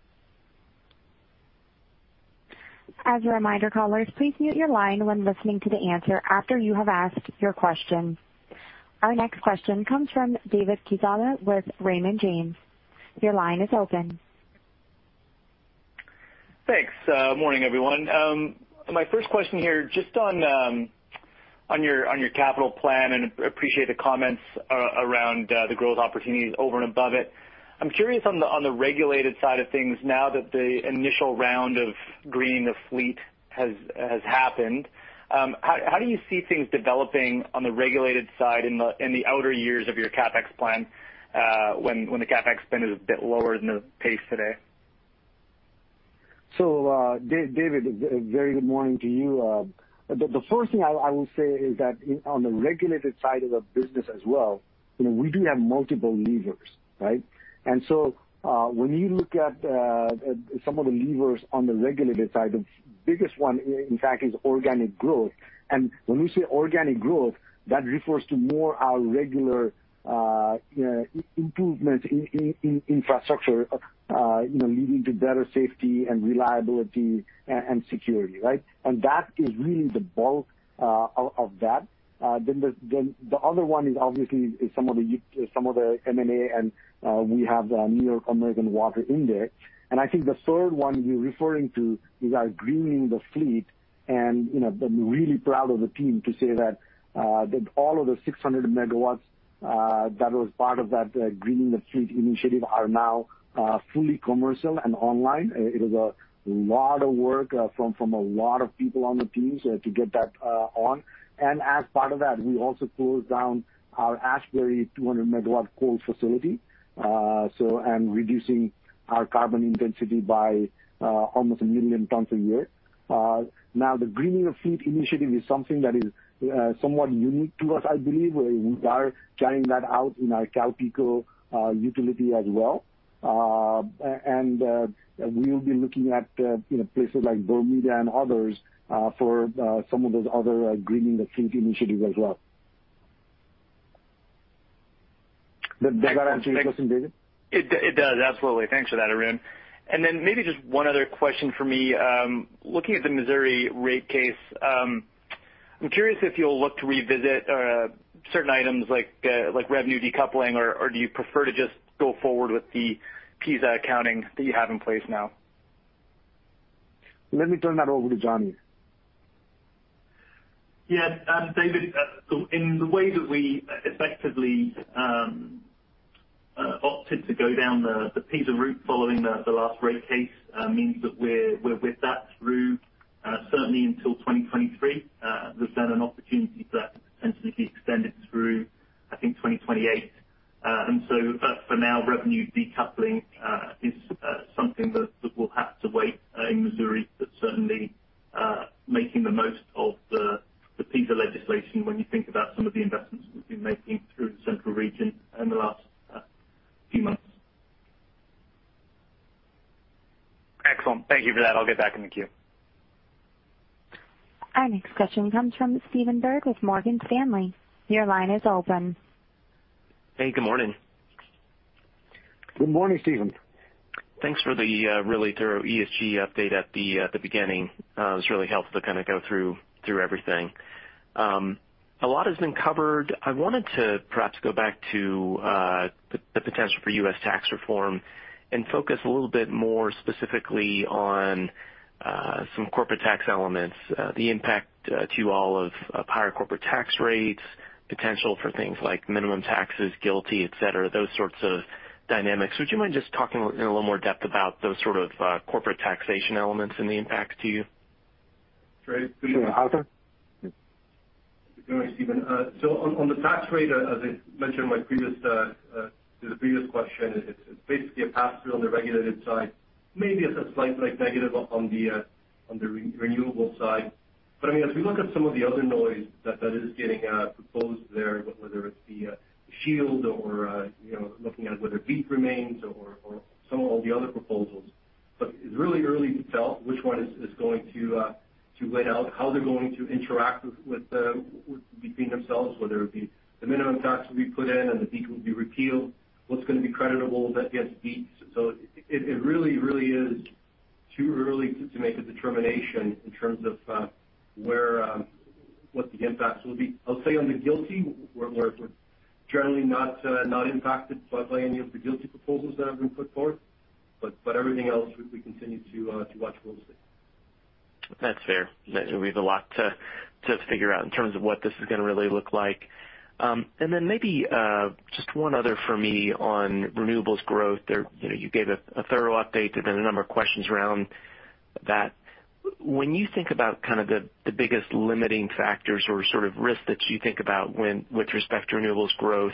As a reminder, callers, please mute your line when listening to the answer after you have asked your question. Our next question comes from David Quezada with Raymond James. Your line is open. Thanks. Morning, everyone. My first question here, just on your capital plan. Appreciate the comments around the growth opportunities over and above it. I'm curious on the regulated side of things, now that the initial round of Greening the Fleet has happened, how do you see things developing on the regulated side in the outer years of your CapEx plan, when the CapEx spend is a bit lower than the pace today? David, very good morning to you. The first thing I will say is that on the regulated side of the business as well, we do have multiple levers, right? When you look at some of the levers on the regulated side, the biggest one, in fact, is organic growth. When we say organic growth, that refers to more our regular improvements in infrastructure leading to better safety and reliability and security, right? That is really the bulk of that. The other one is obviously some of the M&A, and we have New York American Water in there. I think the third one you're referring to is our Greening the Fleet. I'm really proud of the team to say that all of the 600 MW that was part of that Greening the Fleet initiative are now fully commercial and online. It was a lot of work from a lot of people on the team to get that on. As part of that, we also closed down our Asbury 200 MW coal facility. Reducing our carbon intensity by almost a million tons a year. The Greening the Fleet initiative is something that is somewhat unique to us, I believe. We are carrying that out in our CalPeco utility as well. We'll be looking at places like Bermuda and others for some of those other Greening the Fleet initiatives as well. Does that answer your question, David? It does, absolutely. Thanks for that, Arun. Maybe just one other question for me. Looking at the Missouri rate case, I'm curious if you'll look to revisit certain items like revenue decoupling, or do you prefer to just go forward with the PISA accounting that you have in place now? Let me turn that over to Johnny. Yeah. David, in the way that we effectively opted to go down the PISA route following the last rate case means that we're with that through certainly until 2023. There's an opportunity for that potentially to be extended through, I think, 2028. For now, revenue decoupling is something that will have to wait in Missouri, but certainly making the most of the PISA legislation when you think about some of the investments we've been making through the central region in the last few months. Excellent. Thank you for that. I'll get back in the queue. Our next question comes from Stephen Byrd with Morgan Stanley. Your line is open. Hey, good morning. Good morning, Stephen. Thanks for the really thorough ESG update at the beginning. It was really helpful to kind of go through everything. A lot has been covered. I wanted to perhaps go back to the potential for U.S. tax reform and focus a little bit more specifically on some corporate tax elements, the impact to all of higher corporate tax rates, potential for things like minimum taxes, GILTI, et cetera, those sorts of dynamics. Would you mind just talking in a little more depth about those sort of corporate taxation elements and the impact to you? Sure. Arthur? Good morning, Stephen. On the tax rate, as I mentioned in my previous to the previous question, it's basically a pass-through on the regulated side, maybe it's a slight negative on the renewable side. As we look at some of the other noise that is getting proposed there, whether it's the SHIELD or looking at whether BEAT remains or some of all the other proposals. It's really early to tell which one is going to lay out how they're going to interact between themselves, whether it be the minimum tax will be put in and the BEAT will be repealed. What's going to be creditable that gets BEAT? It really is too early to make a determination in terms of what the impact will be. I'll say on the GILTI, we're generally not impacted by any of the GILTI proposals that have been put forward. Everything else, we continue to watch closely. That's fair. We have a lot to figure out in terms of what this is going to really look like. Then maybe just one other for me on renewables growth there. You gave a thorough update, and then a number of questions around that. When you think about the biggest limiting factors or sort of risks that you think about with respect to renewables growth,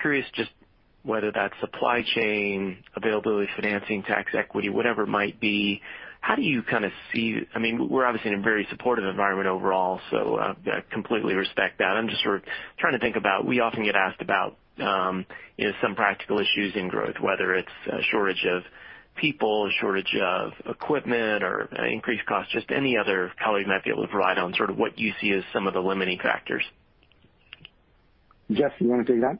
curious just whether that's supply chain availability, financing, tax equity, whatever it might be. We're obviously in a very supportive environment overall, so I completely respect that. We often get asked about some practical issues in growth, whether it's a shortage of people, a shortage of equipment or increased costs, just any other colleague might be able to provide on sort of what you see as some of the limiting factors. Jeff, you want to take that?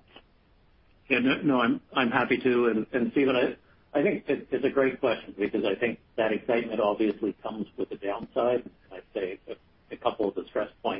Yeah. No, I'm happy to. Stephen, I think it's a great question because I think that excitement obviously comes with a downside. I'd say a couple of the stress points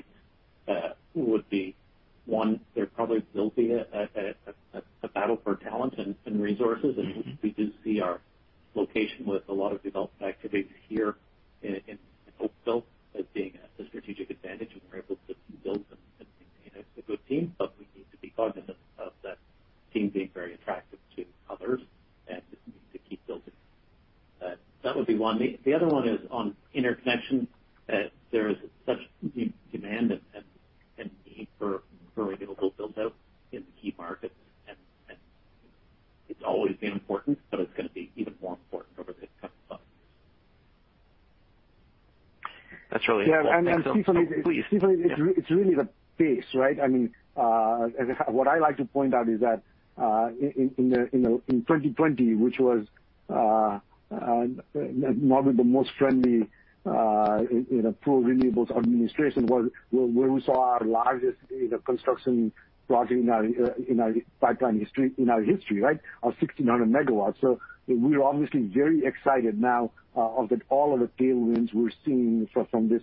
of all of the tailwinds we're seeing from this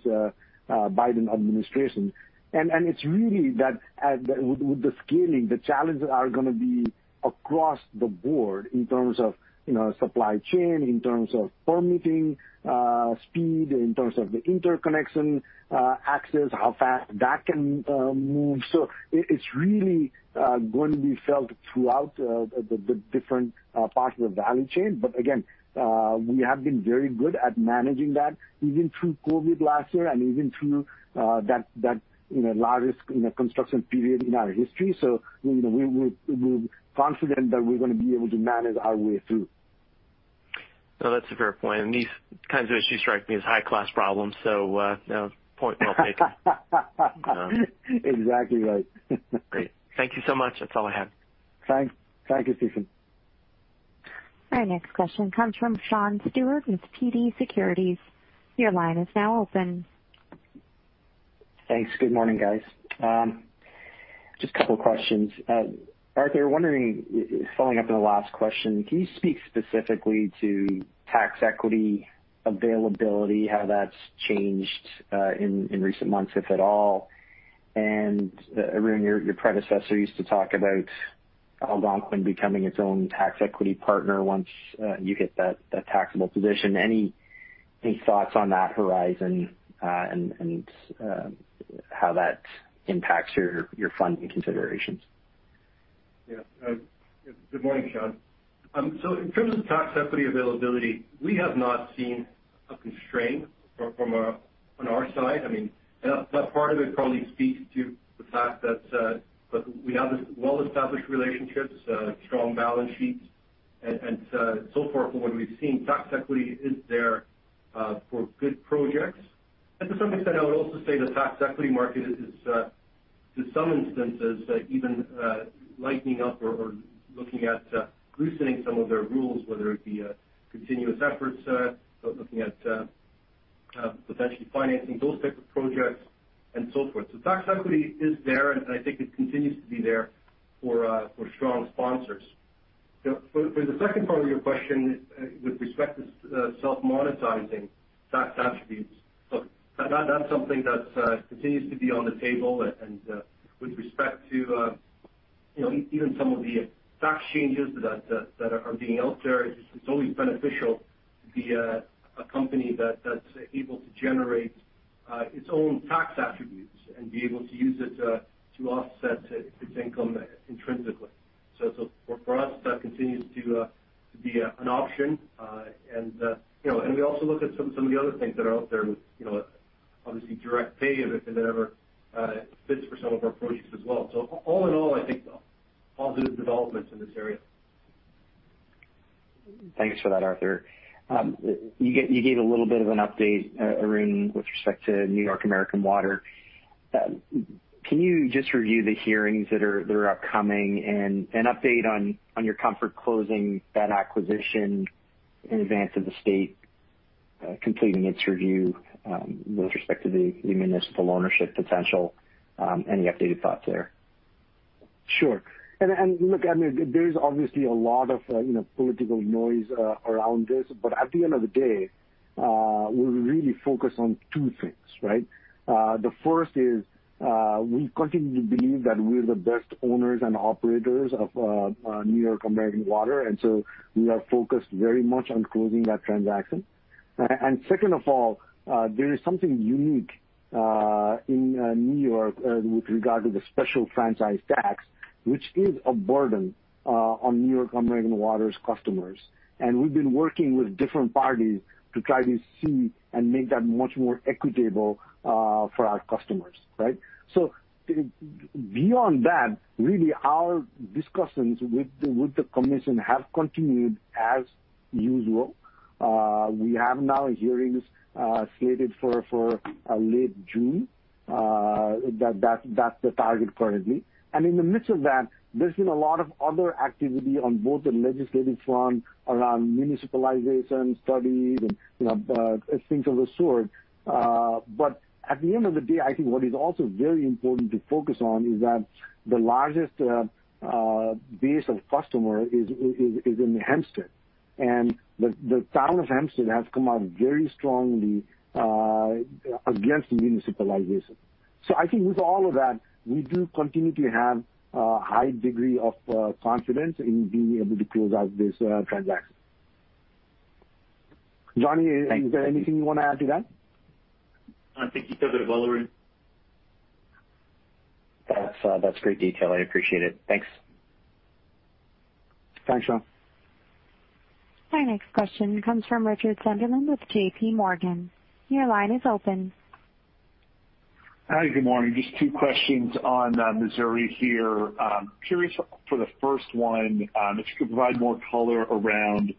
Biden administration. It's really that with the scaling, the challenges are going to be across the board in terms of supply chain, in terms of permitting speed, in terms of the interconnection access, how fast that can move. It's really going to be felt throughout the different parts of the value chain. Again, we have been very good at managing that even through COVID last year and even through that largest construction period in our history. We're confident that we're going to be able to manage our way through. No, that's a fair point. These kinds of issues strike me as high-class problems. Point well taken. Exactly right. Great. Thank you so much. That is all I have. Thanks. Thank you, Stephen. Our next question comes from Sean Steuart with TD Securities. Your line is now open. Thanks. Good morning, guys. Just a couple of questions. Arthur, following up on the last question, can you speak specifically to tax equity availability, how that's changed in recent months, if at all? Arun, your predecessor used to talk about Algonquin becoming its own tax equity partner once you hit that taxable position. Any thoughts on that horizon, and how that impacts your funding considerations? Yeah. Good morning, Sean. In terms of tax equity availability, we have not seen a constraint on our side. That part of it probably speaks to the fact that we have this well-established relationships, strong balance sheets, and so far from what we've seen, tax equity is there for good projects. To some extent, I would also say the tax equity market is to some instances, even lightening up or looking at loosening some of their rules, whether it be continuous efforts, looking at potentially financing those type of projects and so forth. Tax equity is there, and I think it continues to be there for strong sponsors. For the second part of your question with respect to self-monetizing tax attributes. Look, that's something that continues to be on the table and with respect to even some of the tax changes that are being out there, it's always beneficial to be a company that's able to generate its own tax attributes and be able to use it to offset its income intrinsically. For us, that continues to be an option. We also look at some of the other things that are out there with obviously direct pay and whatever fits for some of our projects as well. All in all, I think positive developments in this area. Thanks for that, Arthur. You gave a little bit of an update, Arun, with respect to New York American Water. Can you just review the hearings that are upcoming and an update on your comfort closing that acquisition in advance of the state completing its review with respect to the municipal ownership potential? Any updated thoughts there? Sure. Look, there is obviously a lot of political noise around this, but at the end of the day, we really focus on two things, right? The first is, we continue to believe that we're the best owners and operators of New York American Water, and so we are focused very much on closing that transaction. Second of all, there is something unique in New York with regard to the special franchise tax, which is a burden on New York American Water's customers. We've been working with different parties to try to see and make that much more equitable for our customers, right? Beyond that, really, our discussions with the commission have continued as usual. We have now hearings slated for late June. That's the target currently. In the midst of that, there's been a lot of other activity on both the legislative front around municipalization studies and things of the sort. At the end of the day, I think what is also very important to focus on is that the largest base of customer is in Hempstead. The town of Hempstead has come out very strongly against municipalization. I think with all of that, we do continue to have a high degree of confidence in being able to close out this transaction. Johnny, is there anything you want to add to that? I think you covered it well, Arun. That's great detail. I appreciate it. Thanks. Thanks, Sean. Our next question comes from Richard Sunderland with JPMorgan. Your line is open. Hi, good morning. Just two questions on Missouri here. Curious for the first one, if you could provide more color around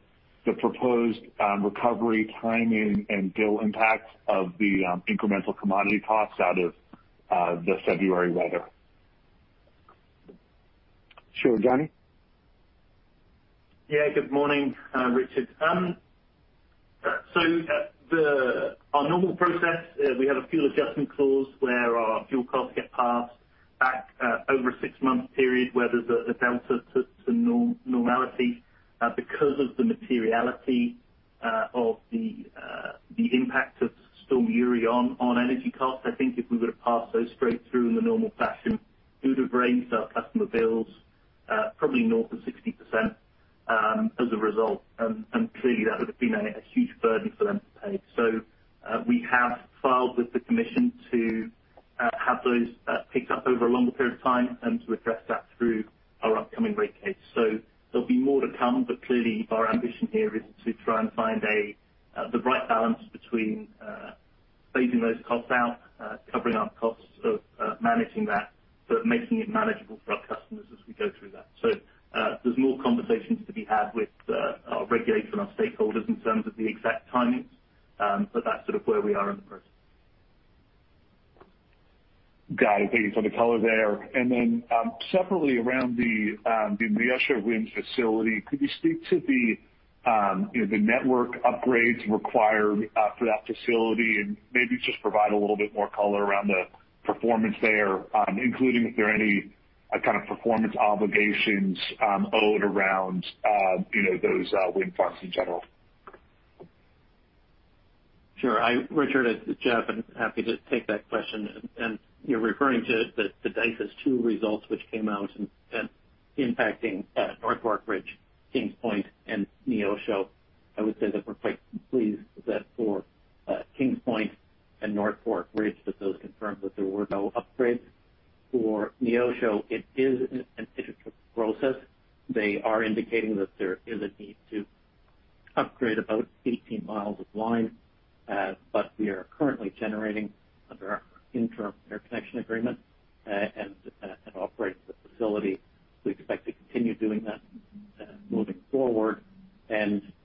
the proposed recovery timing and bill impact of the incremental commodity costs out of the February weather. Sure. Johnny? Good morning, Richard. Our normal process, we have a fuel adjustment clause where our fuel costs get passed back over a six-month period, where there's a delta to normality. Because of the materiality of the impact of Storm Uri on energy costs, I think if we were to pass those straight through in the normal fashion, it would have raised our customer bills probably north of 60% as a result. Clearly, that would have been a huge burden for them to pay. We have filed with the commission to have those picked up over a longer period of time and to address that through our upcoming rate case. There'll be more to come, but clearly, our ambition here is to try and find the right balance between phasing those costs out, covering our costs of managing that, but making it manageable for our customers as we go through that. There's more conversations to be had with our regulators and our stakeholders in terms of the exact timings. That's sort of where we are in the process. Got it. Thank you for the color there. Separately around the Neosho Ridge facility, could you speak to the network upgrades required for that facility and maybe just provide a little bit more color around the performance there, including if there are any kind of performance obligations owed around those wind farms in general? Sure. Richard, it's Jeff. I am happy to take that question. You are referring to the DISIS 2 results which came out impacting North Fork Ridge, Kings Point, and Neosho. I would say that we are quite pleased that for Kings Point and North Fork Ridge, that those confirmed that there were no upgrades. For Neosho, it is an iterative process. They are indicating that there is a need to upgrade about 18 mi of line. We are currently generating under our interim interconnection agreement, and operating the facility. We expect to continue doing that moving forward.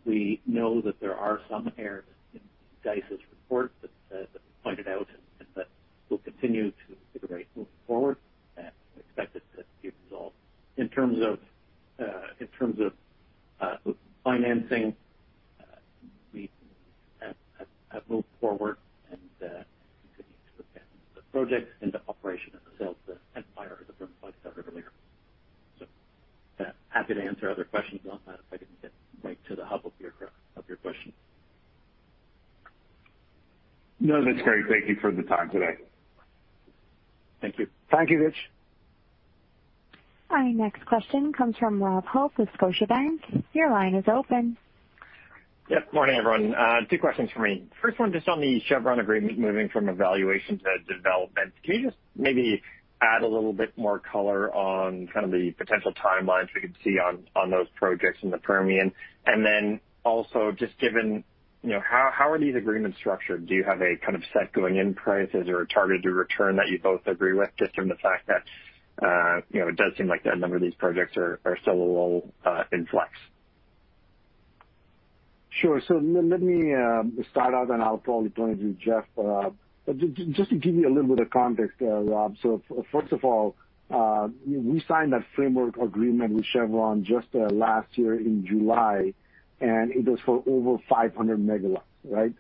We know that there are some errors in DISIS report that we pointed out, and that we will continue to iterate moving forward and expect it to be resolved. In terms of financing, we have moved forward and continue to advance the project into operation itself, as Mike started earlier. Happy to answer other questions on that if I didn't get right to the hub of your question. No, that's great. Thank you for the time today. Thank you. Thank you, Rich. Our next question comes from Rob Hope with Scotiabank. Your line is open. Yep. Morning, everyone. Two questions from me. First one, just on the Chevron agreement moving from evaluation to development. Can you just maybe add a little bit more color on kind of the potential timelines we could see on those projects in the Permian? Then also, just given how are these agreements structured? Do you have a kind of set going-in price? Is there a targeted return that you both agree with, just from the fact that it does seem like a number of these projects are still a little in flux? Sure. Let me start out and I'll probably turn it to Jeff Norman. Just to give you a little bit of context, Rob Hope. First of all, we signed that framework agreement with Chevron just last year in July, and it was for over 500 MW, right?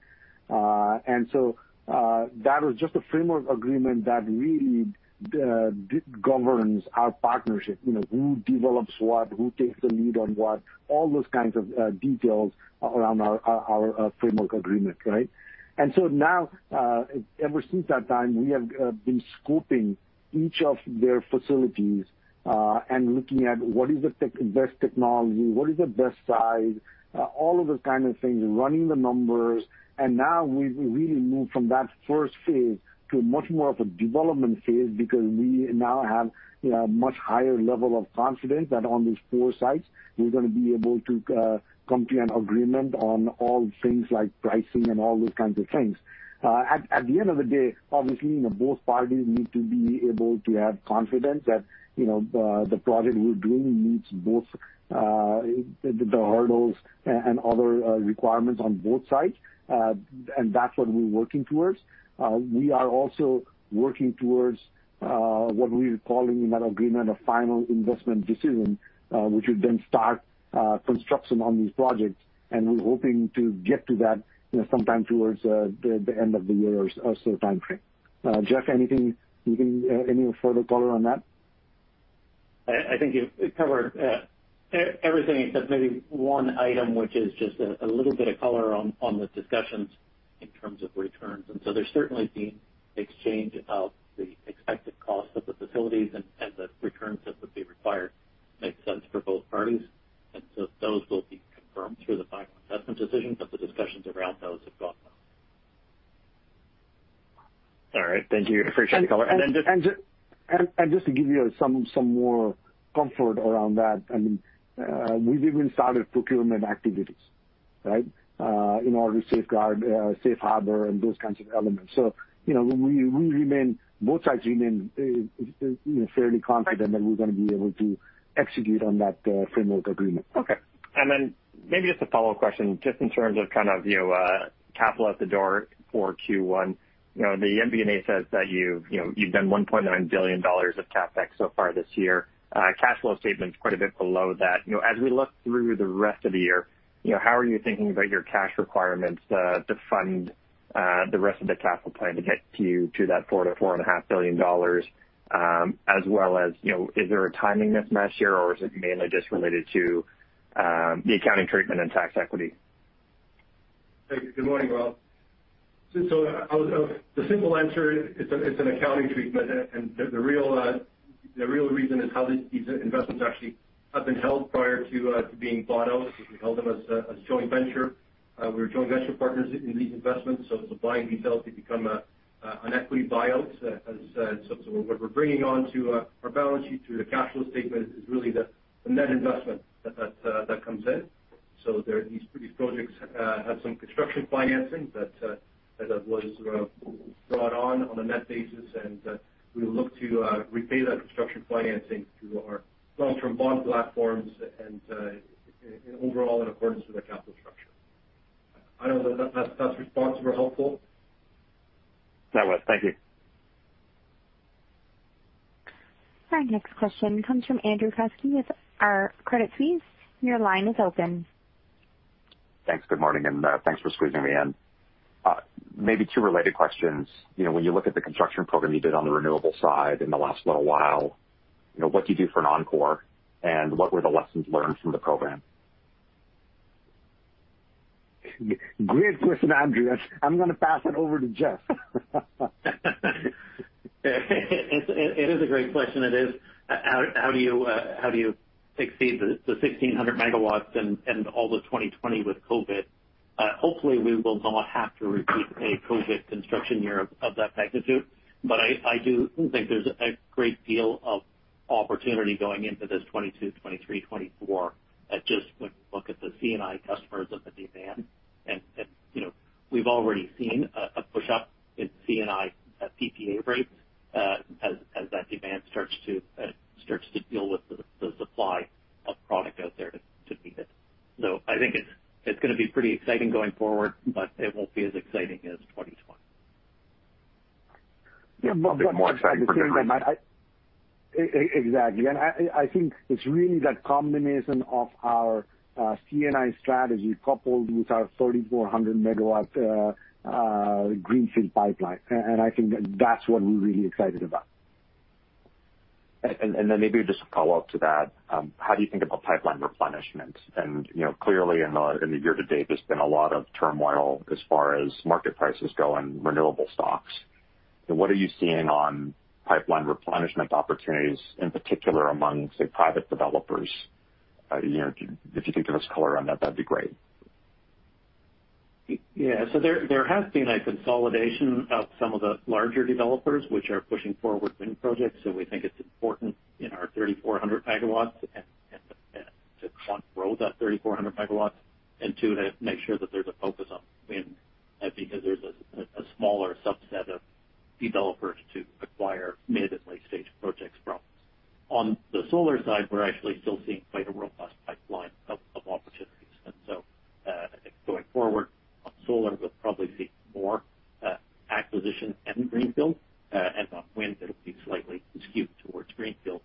That was just a framework agreement that really governs our partnership. Who develops what, who takes the lead on what, all those kinds of details around our framework agreement, right? Now, ever since that time, we have been scoping each of their facilities, and looking at what is the best technology, what is the best size, all of those kind of things, running the numbers. Now we've really moved from that first phase to much more of a development phase because we now have a much higher level of confidence that on these four sites we're going to be able to come to an agreement on all things like pricing and all those kinds of things. At the end of the day, obviously, both parties need to be able to have confidence that the project we're doing meets both the hurdles and other requirements on both sides. That's what we're working towards. We are also working towards what we are calling in that agreement a final investment decision, which would then start construction on these projects, and we're hoping to get to that sometime towards the end of the year or so timeframe. Jeff, any further color on that? I think you covered everything except maybe one item, which is just a little bit of color on the discussions in terms of returns. There's certainly been exchange of the expected cost of the facilities and the returns that would be required make sense for both parties. Those will be confirmed through the final investment decision. The discussions around those have gone well. All right. Thank you. Appreciate the color. Just to give you some more comfort around that, we've even started procurement activities, right? In order to safeguard safe harbor and those kinds of elements. Both sides remain fairly confident that we're going to be able to execute on that framework agreement. Okay. Maybe just a follow-up question, just in terms of capital at the door for Q1. The MD&A says that you've done $1.9 billion of CapEx so far this year. Cash flow statement's quite a bit below that. As we look through the rest of the year, how are you thinking about your cash requirements to fund the rest of the capital plan to get to that $4 billion-$4.5 billion? As well as, is there a timing mismatch here or is it mainly just related to the accounting treatment and tax equity? Thank you. Good morning, Rob. The simple answer, it's an accounting treatment and the real reason is how these investments actually have been held prior to being bought out. We held them as a joint venture. We were joint venture partners in these investments. It's a buy and leaseback to become an equity buyout. What we're bringing onto our balance sheet through the cash flow statement is really the net investment that comes in. These projects have some construction financing that was brought on a net basis, and we look to repay that construction financing through our long-term bond platforms and overall in accordance with our capital structure. I don't know if that response were helpful. That was. Thank you. Our next question comes from Andrew Kuske with Credit Suisse. Your line is open. Thanks. Good morning, thanks for squeezing me in. Maybe two related questions. When you look at the construction program you did on the renewable side in the last little while, what do you do for an encore, and what were the lessons learned from the program? Great question, Andrew. I'm going to pass it over to Jeff. It is a great question, it is. How do you exceed the 1,600 MW and all the 2020 with COVID? Hopefully we will not have to repeat a COVID construction year of that magnitude. I do think there's a great deal of opportunity going into this 2022, 2023, 2024, just when you look at the C&I customers and the demand. We've already seen a pushup in C&I PPA rates as that demand starts to deal with the supply of product out there to meet it. I think it's going to be pretty exciting going forward, but it won't be as exciting as 2020. Yeah. More exciting for different reasons. Exactly. I think it's really that combination of our C&I strategy coupled with our 3,400 MW greenfield pipeline. I think that's what we're really excited about. Maybe just a follow-up to that. How do you think about pipeline replenishment? Clearly in the year to date, there's been a lot of turmoil as far as market prices go and renewable stocks. What are you seeing on pipeline replenishment opportunities, in particular among, say, private developers? If you could give us color on that'd be great. Yeah. There has been a consolidation of some of the larger developers, which are pushing forward wind projects, and we think it's important in our 3,400 MW to, one, grow that 3,400 MW, and two, to make sure that there's a focus on wind, because there's a smaller subset of developers to acquire mid- and late-stage projects from. On the solar side, we're actually still seeing quite a robust pipeline of opportunities. I think going forward on solar, we'll probably see more acquisition and greenfield. On wind, it'll be slightly skewed towards greenfield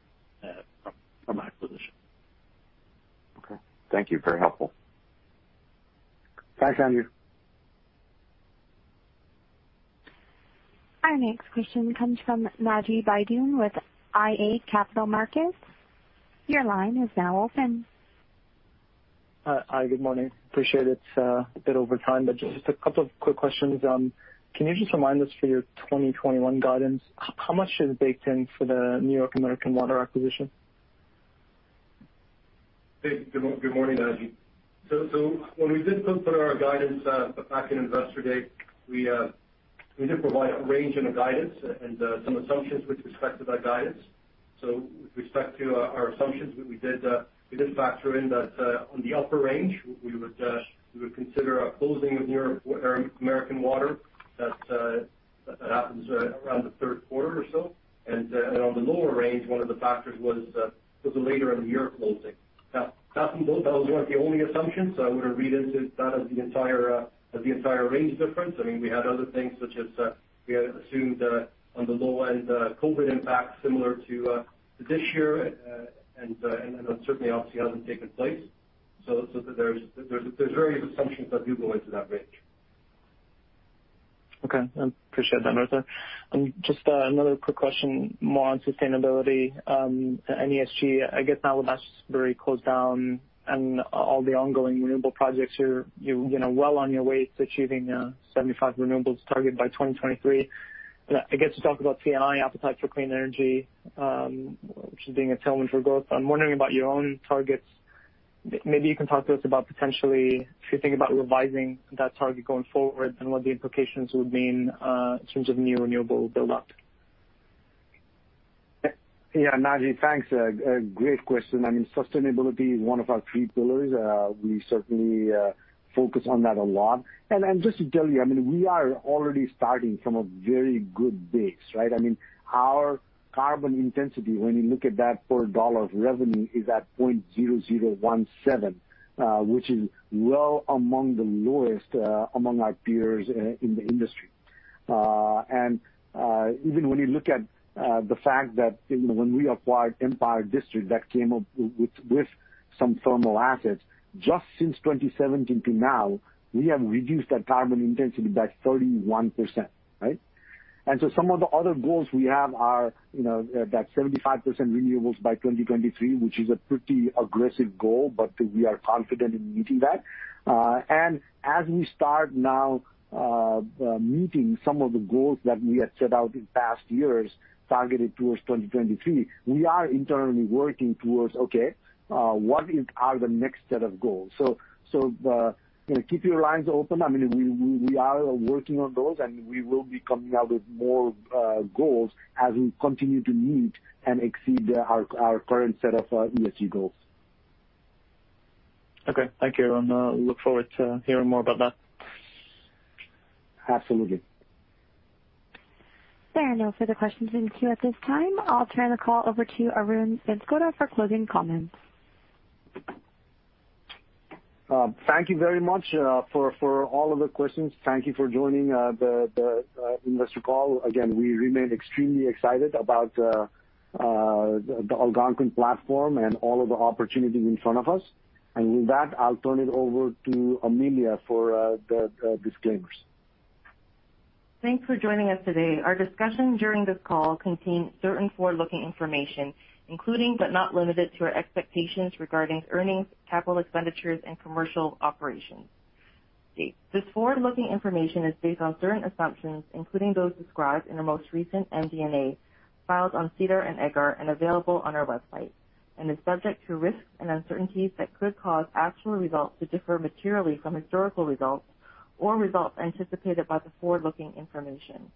from acquisition. Okay. Thank you. Very helpful. Thanks, Andrew. Our next question comes from Naji Baydoun with iA Capital Markets. Your line is now open. Hi. Good morning. Appreciate it. It's a bit over time, just a couple of quick questions. Can you just remind us for your 2021 guidance, how much is baked in for the New York American Water acquisition? Good morning, Naji. When we did put our guidance back in Investor Day, we did provide a range in the guidance and some assumptions with respect to that guidance. With respect to our assumptions, we did factor in that on the upper range, we would consider a closing of New York American Water. That happens around the third quarter or so. On the lower range, one of the factors was the later in the year closing. That was one of the only assumptions. I wouldn't read into that as the entire range difference. I mean, we had other things such as, we had assumed on the low end COVID impact similar to this year. That certainly obviously hasn't taken place. There's various assumptions that do go into that range. Okay. I appreciate that, Arthur. Just another quick question, more on sustainability, ESG, I guess now with Asbury closed down and all the ongoing renewable projects, you're well on your way to achieving a 75% renewables target by 2023. I guess you talked about C&I appetite for clean energy, which is being a tailwind for growth. I'm wondering about your own targets. Maybe you can talk to us about potentially if you think about revising that target going forward and what the implications would mean in terms of new renewable buildup. Yeah. Naji, thanks. A great question. I mean, sustainability is one of our three pillars. We certainly focus on that a lot. Just to tell you, we are already starting from a very good base, right? I mean, our carbon intensity, when you look at that per dollar of revenue, is at 0.0017, which is well among the lowest among our peers in the industry. Even when you look at the fact that when we acquired The Empire District Electric Company, that came up with some thermal assets, just since 2017 to now, we have reduced that carbon intensity by 31%. Right? Some of the other goals we have are that 75% renewables by 2023, which is a pretty aggressive goal, but we are confident in meeting that. As we start now meeting some of the goals that we had set out in past years targeted towards 2023, we are internally working towards, okay, what are the next set of goals? Keep your lines open. I mean, we are working on those, and we will be coming out with more goals as we continue to meet and exceed our current set of ESG goals. Okay. Thank you. I look forward to hearing more about that. Absolutely. There are no further questions in queue at this time. I'll turn the call over to Arun Banskota for closing comments. Thank you very much for all of the questions. Thank you for joining the investor call. Again, we remain extremely excited about the Algonquin platform and all of the opportunities in front of us. With that, I'll turn it over to Amelia for the disclaimers. Thanks for joining us today. Our discussion during this call contains certain forward-looking information, including, but not limited to, our expectations regarding earnings, capital expenditures, and commercial operations. This forward-looking information is based on certain assumptions, including those described in our most recent MD&A filed on SEDAR and EDGAR and available on our website, and is subject to risks and uncertainties that could cause actual results to differ materially from historical results or results anticipated by the forward-looking information.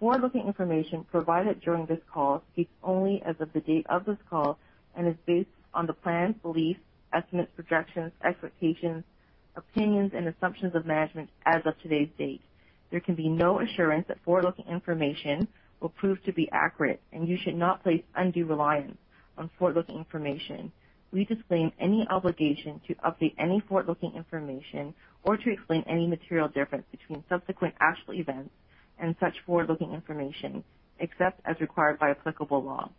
Forward-looking information provided during this call speaks only as of the date of this call and is based on the plans, beliefs, estimates, projections, expectations, opinions, and assumptions of management as of today's date. There can be no assurance that forward-looking information will prove to be accurate, and you should not place undue reliance on forward-looking information. We disclaim any obligation to update any forward-looking information or to explain any material difference between subsequent actual events and such forward-looking information, except as required by applicable law.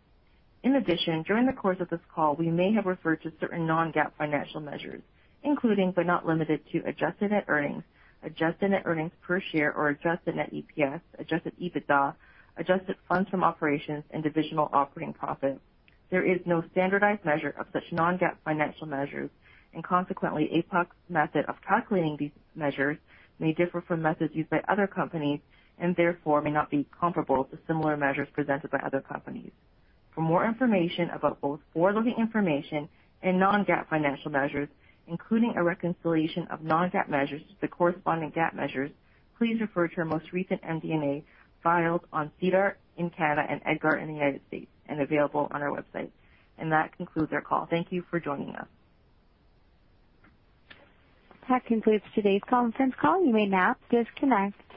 In addition, during the course of this call, we may have referred to certain non-GAAP financial measures, including, but not limited to adjusted net earnings, adjusted net earnings per share or adjusted net EPS, adjusted EBITDA, adjusted funds from operations, and divisional operating profit. There is no standardized measure of such non-GAAP financial measures, and consequently, APUC's method of calculating these measures may differ from methods used by other companies and therefore may not be comparable to similar measures presented by other companies. For more information about both forward-looking information and non-GAAP financial measures, including a reconciliation of non-GAAP measures to the corresponding GAAP measures, please refer to our most recent MD&A filed on SEDAR in Canada and EDGAR in the U.S. and available on our website. That concludes our call. Thank you for joining us. That concludes today's conference call. You may now disconnect.